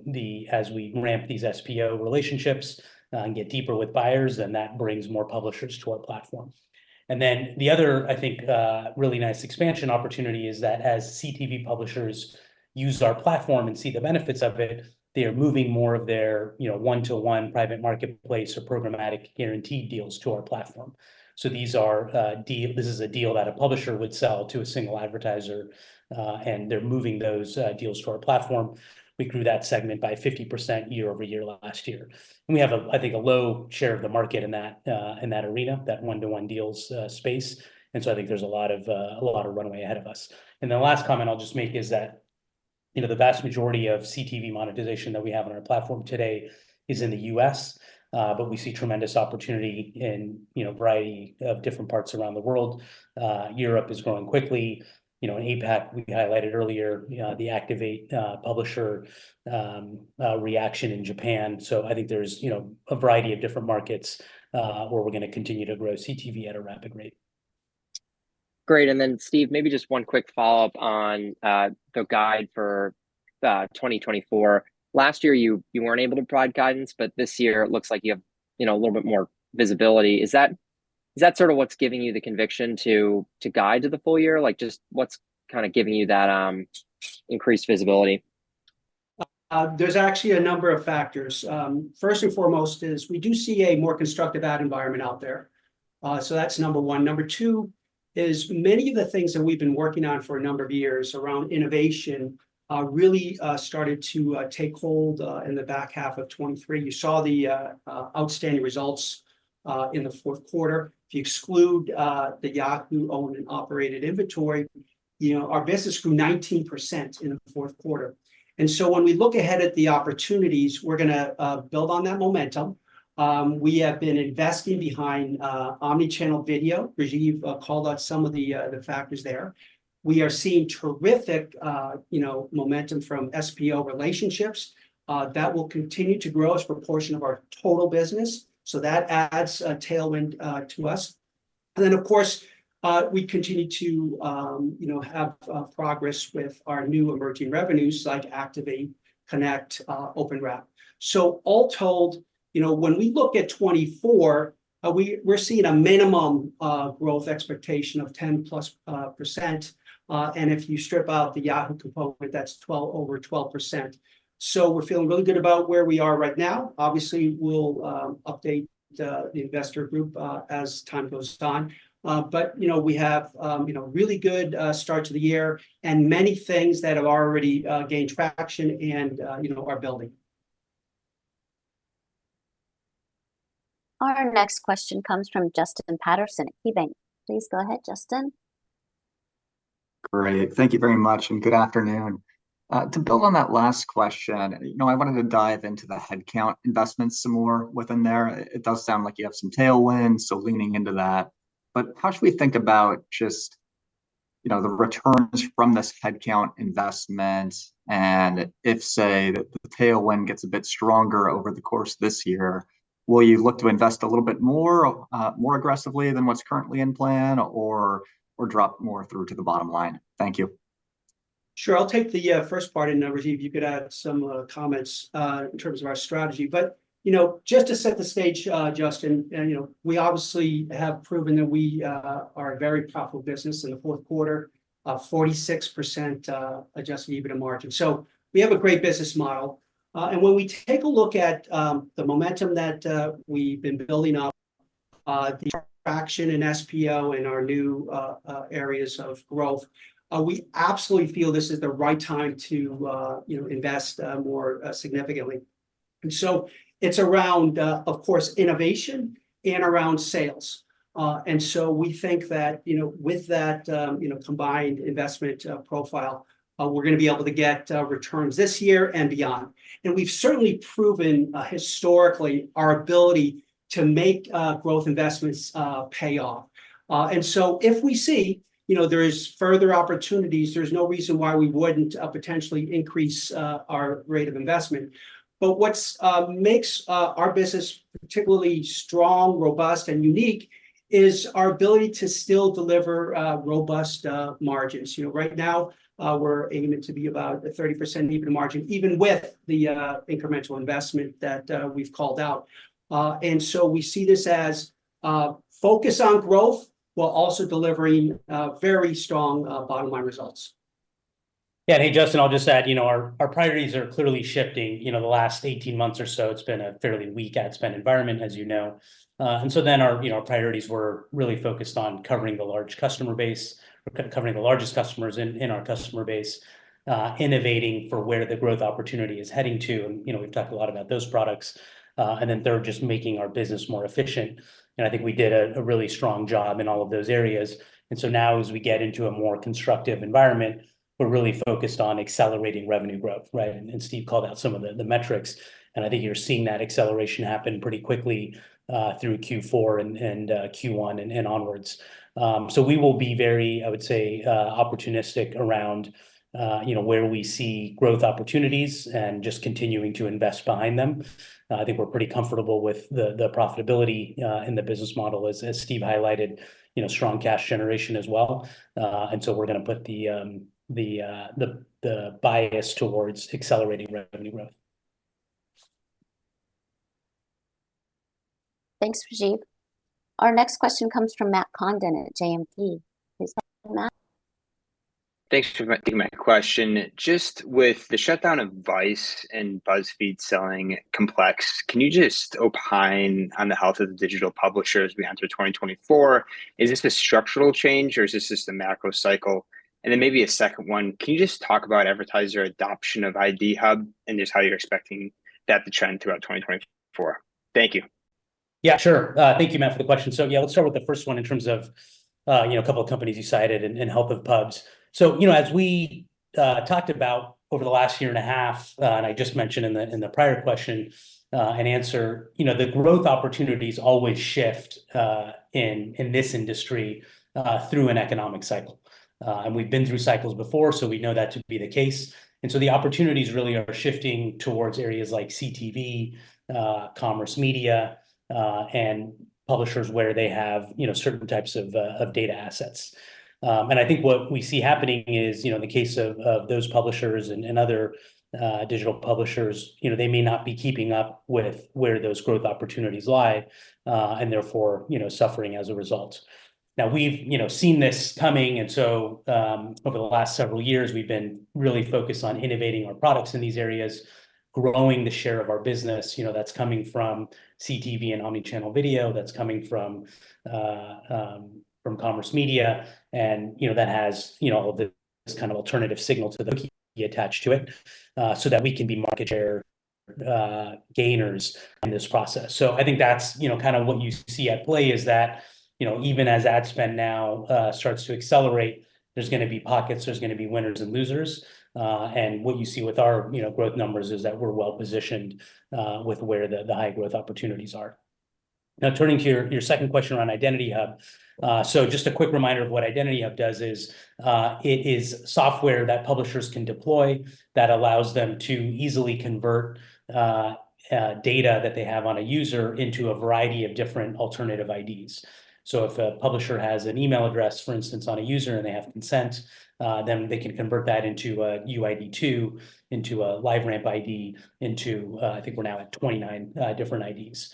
as we ramp these SPO relationships and get deeper with buyers, then that brings more publishers to our platform. And then the other, I think, really nice expansion opportunity is that as CTV publishers use our platform and see the benefits of it, they are moving more of their, you know, one-to-one private marketplace or programmatic guaranteed deals to our platform. So these are... This is a deal that a publisher would sell to a single advertiser and they're moving those deals to our platform. We grew that segment by 50% year-over-year last year. And we have a, I think, a low share of the market in that, in that arena, that one-to-one deals, space, and so I think there's a lot of, a lot of runway ahead of us. And the last comment I'll just make is that you know, the vast majority of CTV monetization that we have on our platform today is in the U.S., but we see tremendous opportunity in, you know, a variety of different parts around the world. Europe is growing quickly. You know, in APAC, we highlighted earlier, the Activate publisher reaction in Japan. So I think there's, you know, a variety of different markets, where we're gonna continue to grow CTV at a rapid rate. Great. And then Steve, maybe just one quick follow-up on the guidance for 2024. Last year, you weren't able to provide guidance, but this year it looks like you have, you know, a little bit more visibility. Is that sort of what's giving you the conviction to guide to the full year? Like, just what's kind of giving you that increased visibility? There's actually a number of factors. First and foremost is we do see a more constructive ad environment out there. So that's number one. Number two is many of the things that we've been working on for a number of years around innovation really started to take hold in the back half of 2023. You saw the outstanding results in the fourth quarter. If you exclude the Yahoo owned and operated inventory, you know, our business grew 19% in the fourth quarter. And so when we look ahead at the opportunities, we're gonna build on that momentum. We have been investing behind omnichannel video. Rajeev called out some of the factors there. We are seeing terrific, you know, momentum from SPO relationships. That will continue to grow as proportion of our total business, so that adds a tailwind to us. And then, of course, we continue to, you know, have progress with our new emerging revenues, like Activate, Connect, OpenWrap. So all told, you know, when we look at 2024, we're seeing a minimum growth expectation of 10%+. And if you strip out the Yahoo component, that's over 12%. So we're feeling really good about where we are right now. Obviously, we'll update the investor group as time goes on. But, you know, we have, you know, really good start to the year, and many things that have already gained traction and, you know, are building. Our next question comes from Justin Patterson at KeyBanc. Please go ahead, Justin. Great. Thank you very much, and good afternoon. To build on that last question, you know, I wanted to dive into the headcount investments some more within there. It does sound like you have some tailwinds, so leaning into that. But how should we think about just, you know, the returns from this headcount investment? And if, say, the, the tailwind gets a bit stronger over the course of this year, will you look to invest a little bit more, more aggressively than what's currently in plan, or, or drop more through to the bottom line? Thank you. Sure. I'll take the first part, and Rajeev, you could add some comments in terms of our strategy. But you know, just to set the stage, Justin, and you know, we obviously have proven that we are a very profitable business. In the fourth quarter, 46% Adjusted EBITDA margin. So we have a great business model. And when we take a look at the momentum that we've been building up, the traction in SPO and our new areas of growth, we absolutely feel this is the right time to you know, invest more significantly. And so it's around, of course, innovation and around sales. And so we think that, you know, with that, you know, combined investment profile, we're gonna be able to get returns this year and beyond. And we've certainly proven, historically, our ability to make growth investments pay off. And so if we see, you know, there is further opportunities, there's no reason why we wouldn't potentially increase our rate of investment. But what makes our business particularly strong, robust, and unique is our ability to still deliver robust margins. You know, right now, we're aiming to be about a 30% EBITDA margin, even with the incremental investment that we've called out. And so we see this as focus on growth, while also delivering very strong bottom line results. Yeah. Hey, Justin, I'll just add, you know, our priorities are clearly shifting. You know, the last 18 months or so, it's been a fairly weak ad spend environment, as you know. And so then our, you know, priorities were really focused on covering the large customer base, covering the largest customers in our customer base, innovating for where the growth opportunity is heading to. And, you know, we've talked a lot about those products. And then third, just making our business more efficient, and I think we did a really strong job in all of those areas. And so now as we get into a more constructive environment, we're really focused on accelerating revenue growth, right? Steve called out some of the metrics, and I think you're seeing that acceleration happen pretty quickly through Q4 and Q1 and onwards. So we will be very, I would say, opportunistic around, you know, where we see growth opportunities and just continuing to invest behind them. I think we're pretty comfortable with the profitability in the business model. As Steve highlighted, you know, strong cash generation as well. And so we're gonna put the bias towards accelerating revenue growth. Thanks, Rajeev. Our next question comes from Matt Condon at JMP. Please go ahead, Matt. Thanks for taking my question. Just with the shutdown of Vice and BuzzFeed selling Complex, can you just opine on the health of the digital publishers as we enter 2024? Is this a structural change, or is this just a macro cycle? And then maybe a second one, can you just talk about advertiser adoption of IdentityHub and just how you're expecting that to trend throughout 2024? Thank you. Yeah, sure. Thank you, Matt, for the question. So yeah, let's start with the first one in terms of, you know, a couple of companies you cited and, and health of pubs. So, you know, as we talked about over the last year and a half, and I just mentioned in the, in the prior question, and answer, you know, the growth opportunities always shift in this industry through an economic cycle. And we've been through cycles before, so we know that to be the case. And so the opportunities really are shifting towards areas like CTV, commerce media, and publishers where they have, you know, certain types of data assets. And I think what we see happening is, you know, in the case of, of those publishers and, and other, digital publishers, you know, they may not be keeping up with where those growth opportunities lie, and therefore, you know, suffering as a result. Now we've, you know, seen this coming, and so, over the last several years, we've been really focused on innovating our products in these areas, growing the share of our business, you know, that's coming from CTV and omnichannel video, that's coming from, from commerce media, and, you know, that has, you know, the kind of alternative signal to the attached to it, so that we can be market share, gainers in this process. So I think that's, you know, kind of what you see at play, is that, you know, even as ad spend now starts to accelerate, there's gonna be pockets, there's gonna be winners and losers. And what you see with our, you know, growth numbers is that we're well-positioned with where the high-growth opportunities are. Now, turning to your second question around IdentityHub. So just a quick reminder of what IdentityHub does is it is software that publishers can deploy that allows them to easily convert data that they have on a user into a variety of different alternative IDs. So if a publisher has an email address, for instance, on a user, and they have consent, then they can convert that into a UID2, into a LiveRamp ID, into... I think we're now at 29 different IDs.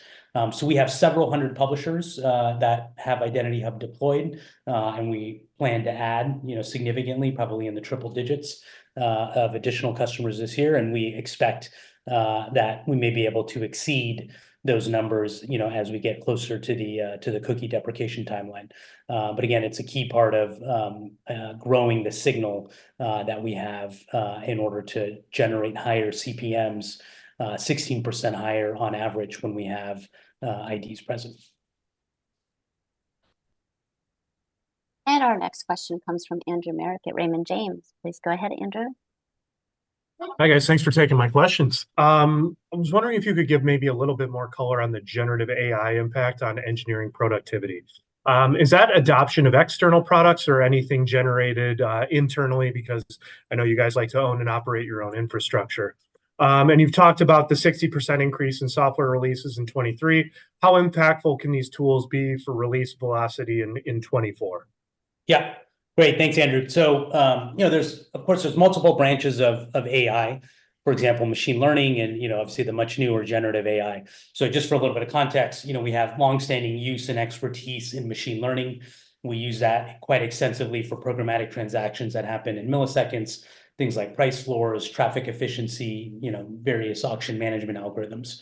So we have several hundred publishers that have IdentityHub deployed. We plan to add, you know, significantly, probably in the triple digits of additional customers this year, and we expect that we may be able to exceed those numbers, you know, as we get closer to the cookie deprecation timeline. But again, it's a key part of growing the signal that we have in order to generate higher CPMs, 16% higher on average when we have IDs present. Our next question comes from Andrew Marok at Raymond James. Please go ahead, Andrew. Hi, guys. Thanks for taking my questions. I was wondering if you could give maybe a little bit more color on the generative AI impact on engineering productivity. Is that adoption of external products or anything generated internally? Because I know you guys like to own and operate your own infrastructure. And you've talked about the 60% increase in software releases in 2023. How impactful can these tools be for release velocity in 2024? Yeah. Great. Thanks, Andrew. So, you know, there's of course multiple branches of AI, for example, machine learning and, you know, obviously, the much newer generative AI. So just for a little bit of context, you know, we have long-standing use and expertise in machine learning. We use that quite extensively for programmatic transactions that happen in milliseconds, things like price floors, traffic efficiency, you know, various auction management algorithms.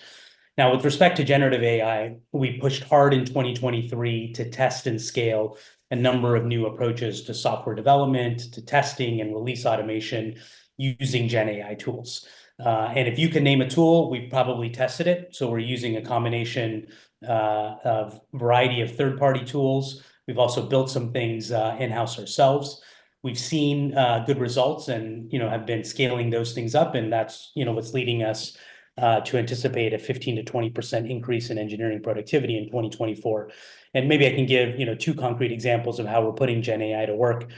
Now, with respect to generative AI, we pushed hard in 2023 to test and scale a number of new approaches to software development, to testing and release automation using Gen AI tools. And if you can name a tool, we've probably tested it, so we're using a combination of variety of third-party tools. We've also built some things in-house ourselves. We've seen good results and, you know, have been scaling those things up, and that's, you know, what's leading us to anticipate a 15%-20% increase in engineering productivity in 2024. And maybe I can give, you know, two concrete examples of how we're putting Gen AI to work.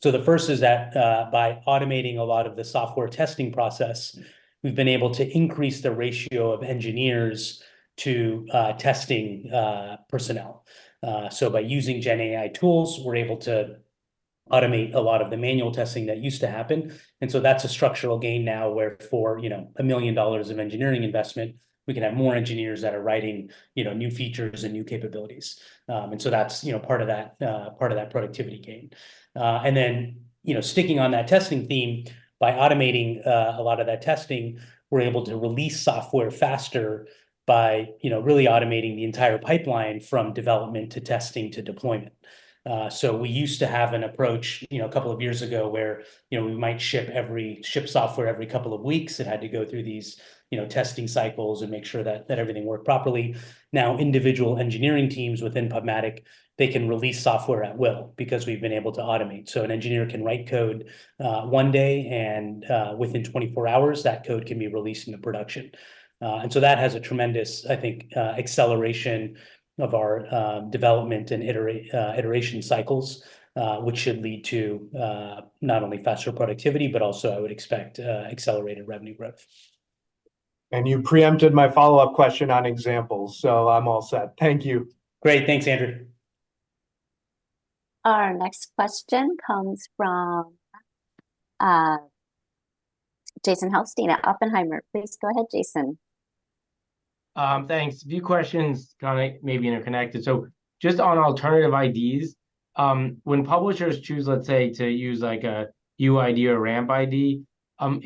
So the first is that by automating a lot of the software testing process, we've been able to increase the ratio of engineers to testing personnel. So by using Gen AI tools, we're able to automate a lot of the manual testing that used to happen, and so that's a structural gain now where for, you know, a $1 million of engineering investment, we can have more engineers that are writing, you know, new features and new capabilities. And so that's, you know, part of that, part of that productivity gain. And then, you know, sticking on that testing theme, by automating a lot of that testing, we're able to release software faster by, you know, really automating the entire pipeline from development to testing to deployment. So we used to have an approach, you know, a couple of years ago, where, you know, we might ship software every couple of weeks. It had to go through these, you know, testing cycles and make sure that everything worked properly. Now, individual engineering teams within PubMatic, they can release software at will, because we've been able to automate. So an engineer can write code one day, and within 24 hours, that code can be released into production. And so that has a tremendous, I think, acceleration of our development and iteration cycles, which should lead to not only faster productivity, but also I would expect accelerated revenue growth. You preempted my follow-up question on examples, so I'm all set. Thank you. Great. Thanks, Andrew. Our next question comes from Jason Helfstein at Oppenheimer. Please go ahead, Jason. Thanks. A few questions, kind of maybe interconnected. So just on alternative IDs, when publishers choose, let's say, to use like a UID or LiveRamp ID,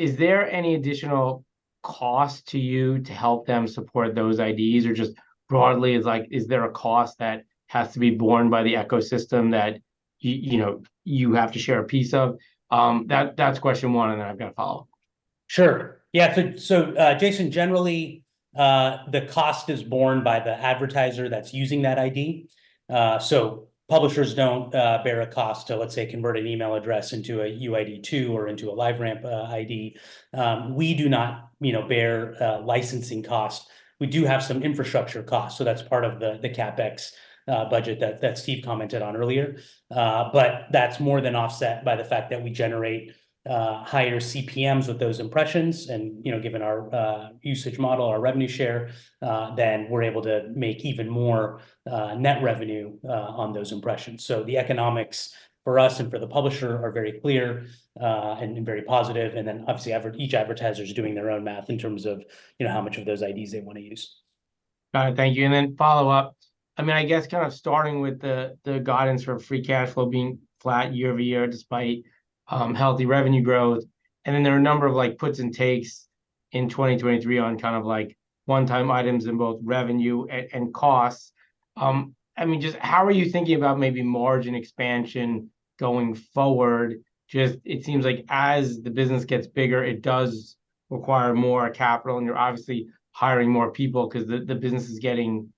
is there any additional cost to you to help them support those IDs? Or just broadly, it's like, is there a cost that has to be borne by the ecosystem that you know, you have to share a piece of? That's question one, and then I've got a follow-up.... Sure. Yeah, so, Jason, generally, the cost is borne by the advertiser that's using that ID. So publishers don't bear a cost to, let's say, convert an email address into a UID2 or into a LiveRamp ID. We do not, you know, bear licensing costs. We do have some infrastructure costs, so that's part of the CapEx budget that Steve commented on earlier. But that's more than offset by the fact that we generate higher CPMs with those impressions. And, you know, given our usage model, our revenue share, then we're able to make even more net revenue on those impressions. So the economics for us and for the publisher are very clear, and very positive, and then obviously each advertiser's doing their own math in terms of, you know, how much of those IDs they wanna use. All right, thank you. And then follow up, I mean, I guess kind of starting with the, the guidance for free cash flow being flat year-over-year, despite healthy revenue growth, and then there are a number of, like, puts and takes in 2023 on kind of, like, one-time items in both revenue and costs. I mean, just how are you thinking about maybe margin expansion going forward? Just, it seems like as the business gets bigger, it does require more capital, and you're obviously hiring more people 'cause the, the business is getting,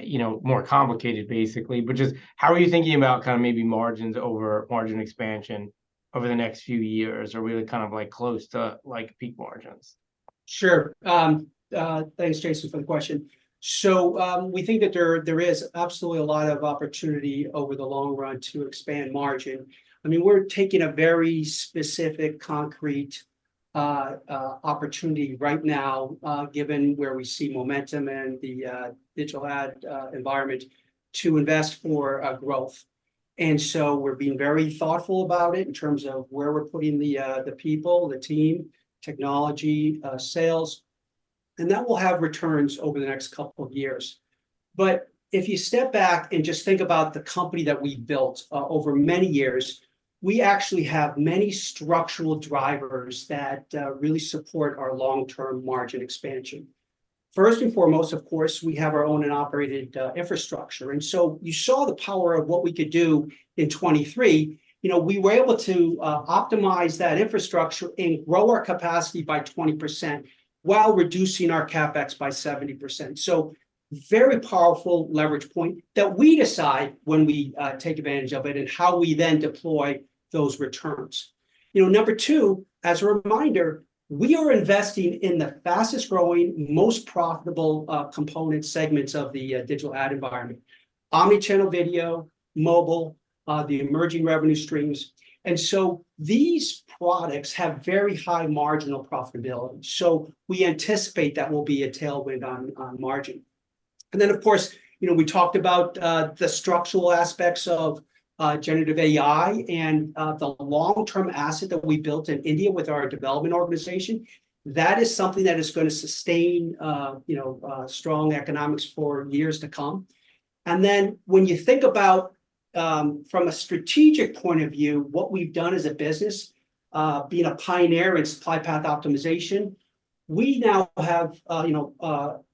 you know, more complicated, basically. But just how are you thinking about kind of maybe margins over margin expansion over the next few years? Or are we kind of, like, close to, like, peak margins? Sure. Thanks, Jason, for the question. So, we think that there, there is absolutely a lot of opportunity over the long run to expand margin. I mean, we're taking a very specific, concrete, opportunity right now, given where we see momentum and the, digital ad, environment, to invest for, growth. And so we're being very thoughtful about it in terms of where we're putting the, the people, the team, technology, sales, and that will have returns over the next couple of years. But if you step back and just think about the company that we've built, over many years, we actually have many structural drivers that, really support our long-term margin expansion. First and foremost, of course, we have our owned and operated infrastructure, and so you saw the power of what we could do in 2023. You know, we were able to optimize that infrastructure and grow our capacity by 20% while reducing our CapEx by 70%. So very powerful leverage point that we decide when we take advantage of it and how we then deploy those returns. You know, number two, as a reminder, we are investing in the fastest-growing, most profitable component segments of the digital ad environment: omnichannel video, mobile, the emerging revenue streams. And so these products have very high marginal profitability, so we anticipate that will be a tailwind on margin. Of course, you know, we talked about the structural aspects of generative AI and the long-term asset that we built in India with our development organization. That is something that is gonna sustain, you know, strong economics for years to come. When you think about, from a strategic point of view, what we've done as a business, being a pioneer in supply path optimization, we now have, you know,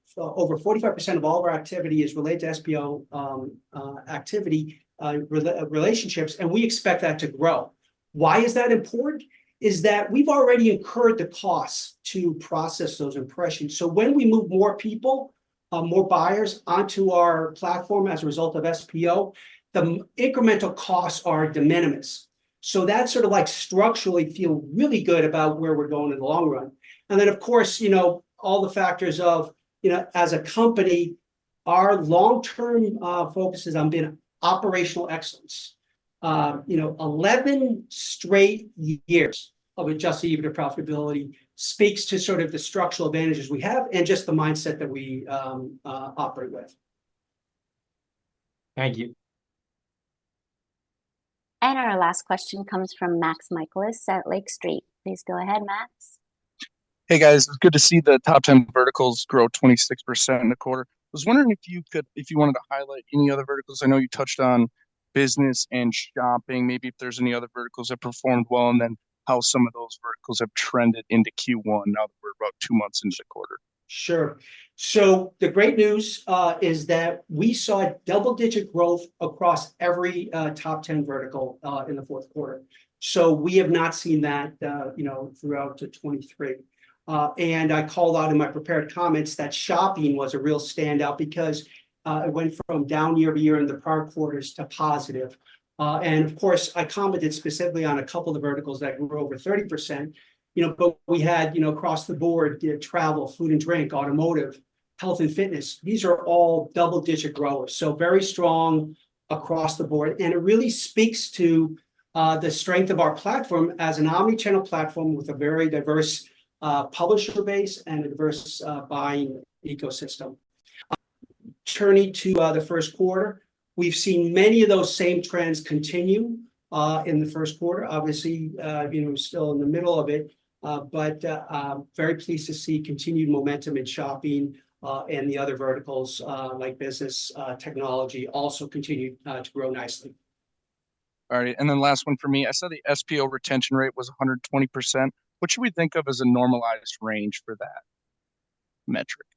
so over 45% of all of our activity is related to SPO activity, relationships, and we expect that to grow. Why is that important? Is that we've already incurred the cost to process those impressions, so when we move more people, more buyers onto our platform as a result of SPO, the incremental costs are de minimis. So that's sort of, like, structurally feel really good about where we're going in the long run. And then, of course, you know, all the factors of, you know, as a company, our long-term focus is on being operational excellence. You know, 11 straight years of Adjusted EBITDA profitability speaks to sort of the structural advantages we have and just the mindset that we operate with. Thank you. Our last question comes from Max Michaelis at Lake Street. Please go ahead, Max. Hey, guys. It's good to see the top ten verticals grow 26% in the quarter. I was wondering if you could- if you wanted to highlight any other verticals. I know you touched on business and shopping. Maybe if there's any other verticals that performed well, and then how some of those verticals have trended into Q1 now that we're about two months into the quarter. Sure. So the great news is that we saw double-digit growth across every top 10 vertical in the fourth quarter. So we have not seen that, you know, throughout 2023. And I called out in my prepared comments that shopping was a real standout because it went from down year-over-year in the prior quarters to positive. And of course, I commented specifically on a couple of the verticals that grew over 30%. You know, but we had, you know, across the board, you know, travel, food and drink, automotive, health and fitness. These are all double-digit growers, so very strong across the board, and it really speaks to the strength of our platform as an omni-channel platform with a very diverse publisher base and a diverse buying ecosystem. Turning to the first quarter, we've seen many of those same trends continue in the first quarter. Obviously, you know, we're still in the middle of it, but very pleased to see continued momentum in shopping and the other verticals like business, technology, also continue to grow nicely. All right, and then last one for me. I saw the SPO retention rate was 120%. What should we think of as a normalized range for that metric?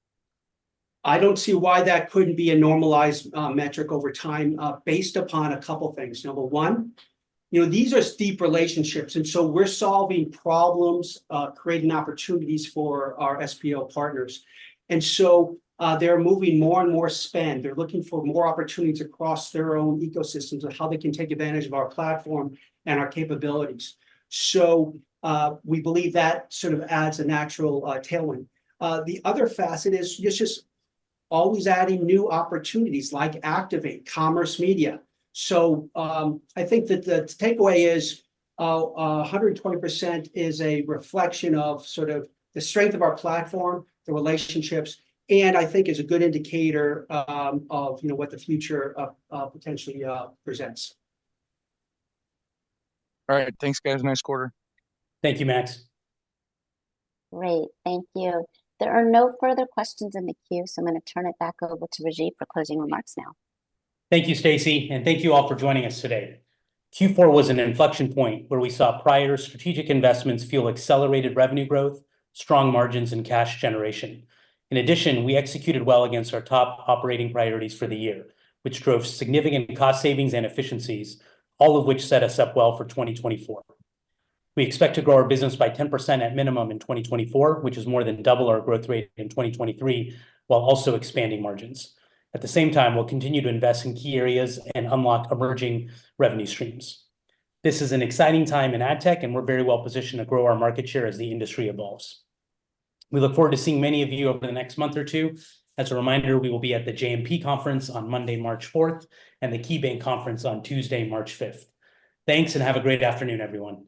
I don't see why that couldn't be a normalized, metric over time, based upon a couple things. Number one, you know, these are steep relationships, and so we're solving problems, creating opportunities for our SPO partners, and so, they're moving more and more spend. They're looking for more opportunities across their own ecosystems and how they can take advantage of our platform and our capabilities. So, we believe that sort of adds a natural, tailwind. The other facet is it's just always adding new opportunities, like Activate, Convert.So, I think that the takeaway is, 120% is a reflection of sort of the strength of our platform, the relationships, and I think is a good indicator, of, you know, what the future, potentially, presents. All right. Thanks, guys. Nice quarter. Thank you, Max. Great, thank you. There are no further questions in the queue, so I'm gonna turn it back over to Rajeev for closing remarks now. Thank you, Stacie, and thank you all for joining us today. Q4 was an inflection point where we saw prior strategic investments fuel accelerated revenue growth, strong margins, and cash generation. In addition, we executed well against our top operating priorities for the year, which drove significant cost savings and efficiencies, all of which set us up well for 2024. We expect to grow our business by 10% at minimum in 2024, which is more than double our growth rate in 2023, while also expanding margins. At the same time, we'll continue to invest in key areas and unlock emerging revenue streams. This is an exciting time in ad tech, and we're very well positioned to grow our market share as the industry evolves. We look forward to seeing many of you over the next month or two. As a reminder, we will be at the JMP conference on Monday, March 4th, and the KeyBanc conference on Tuesday, March 5th. Thanks, and have a great afternoon, everyone.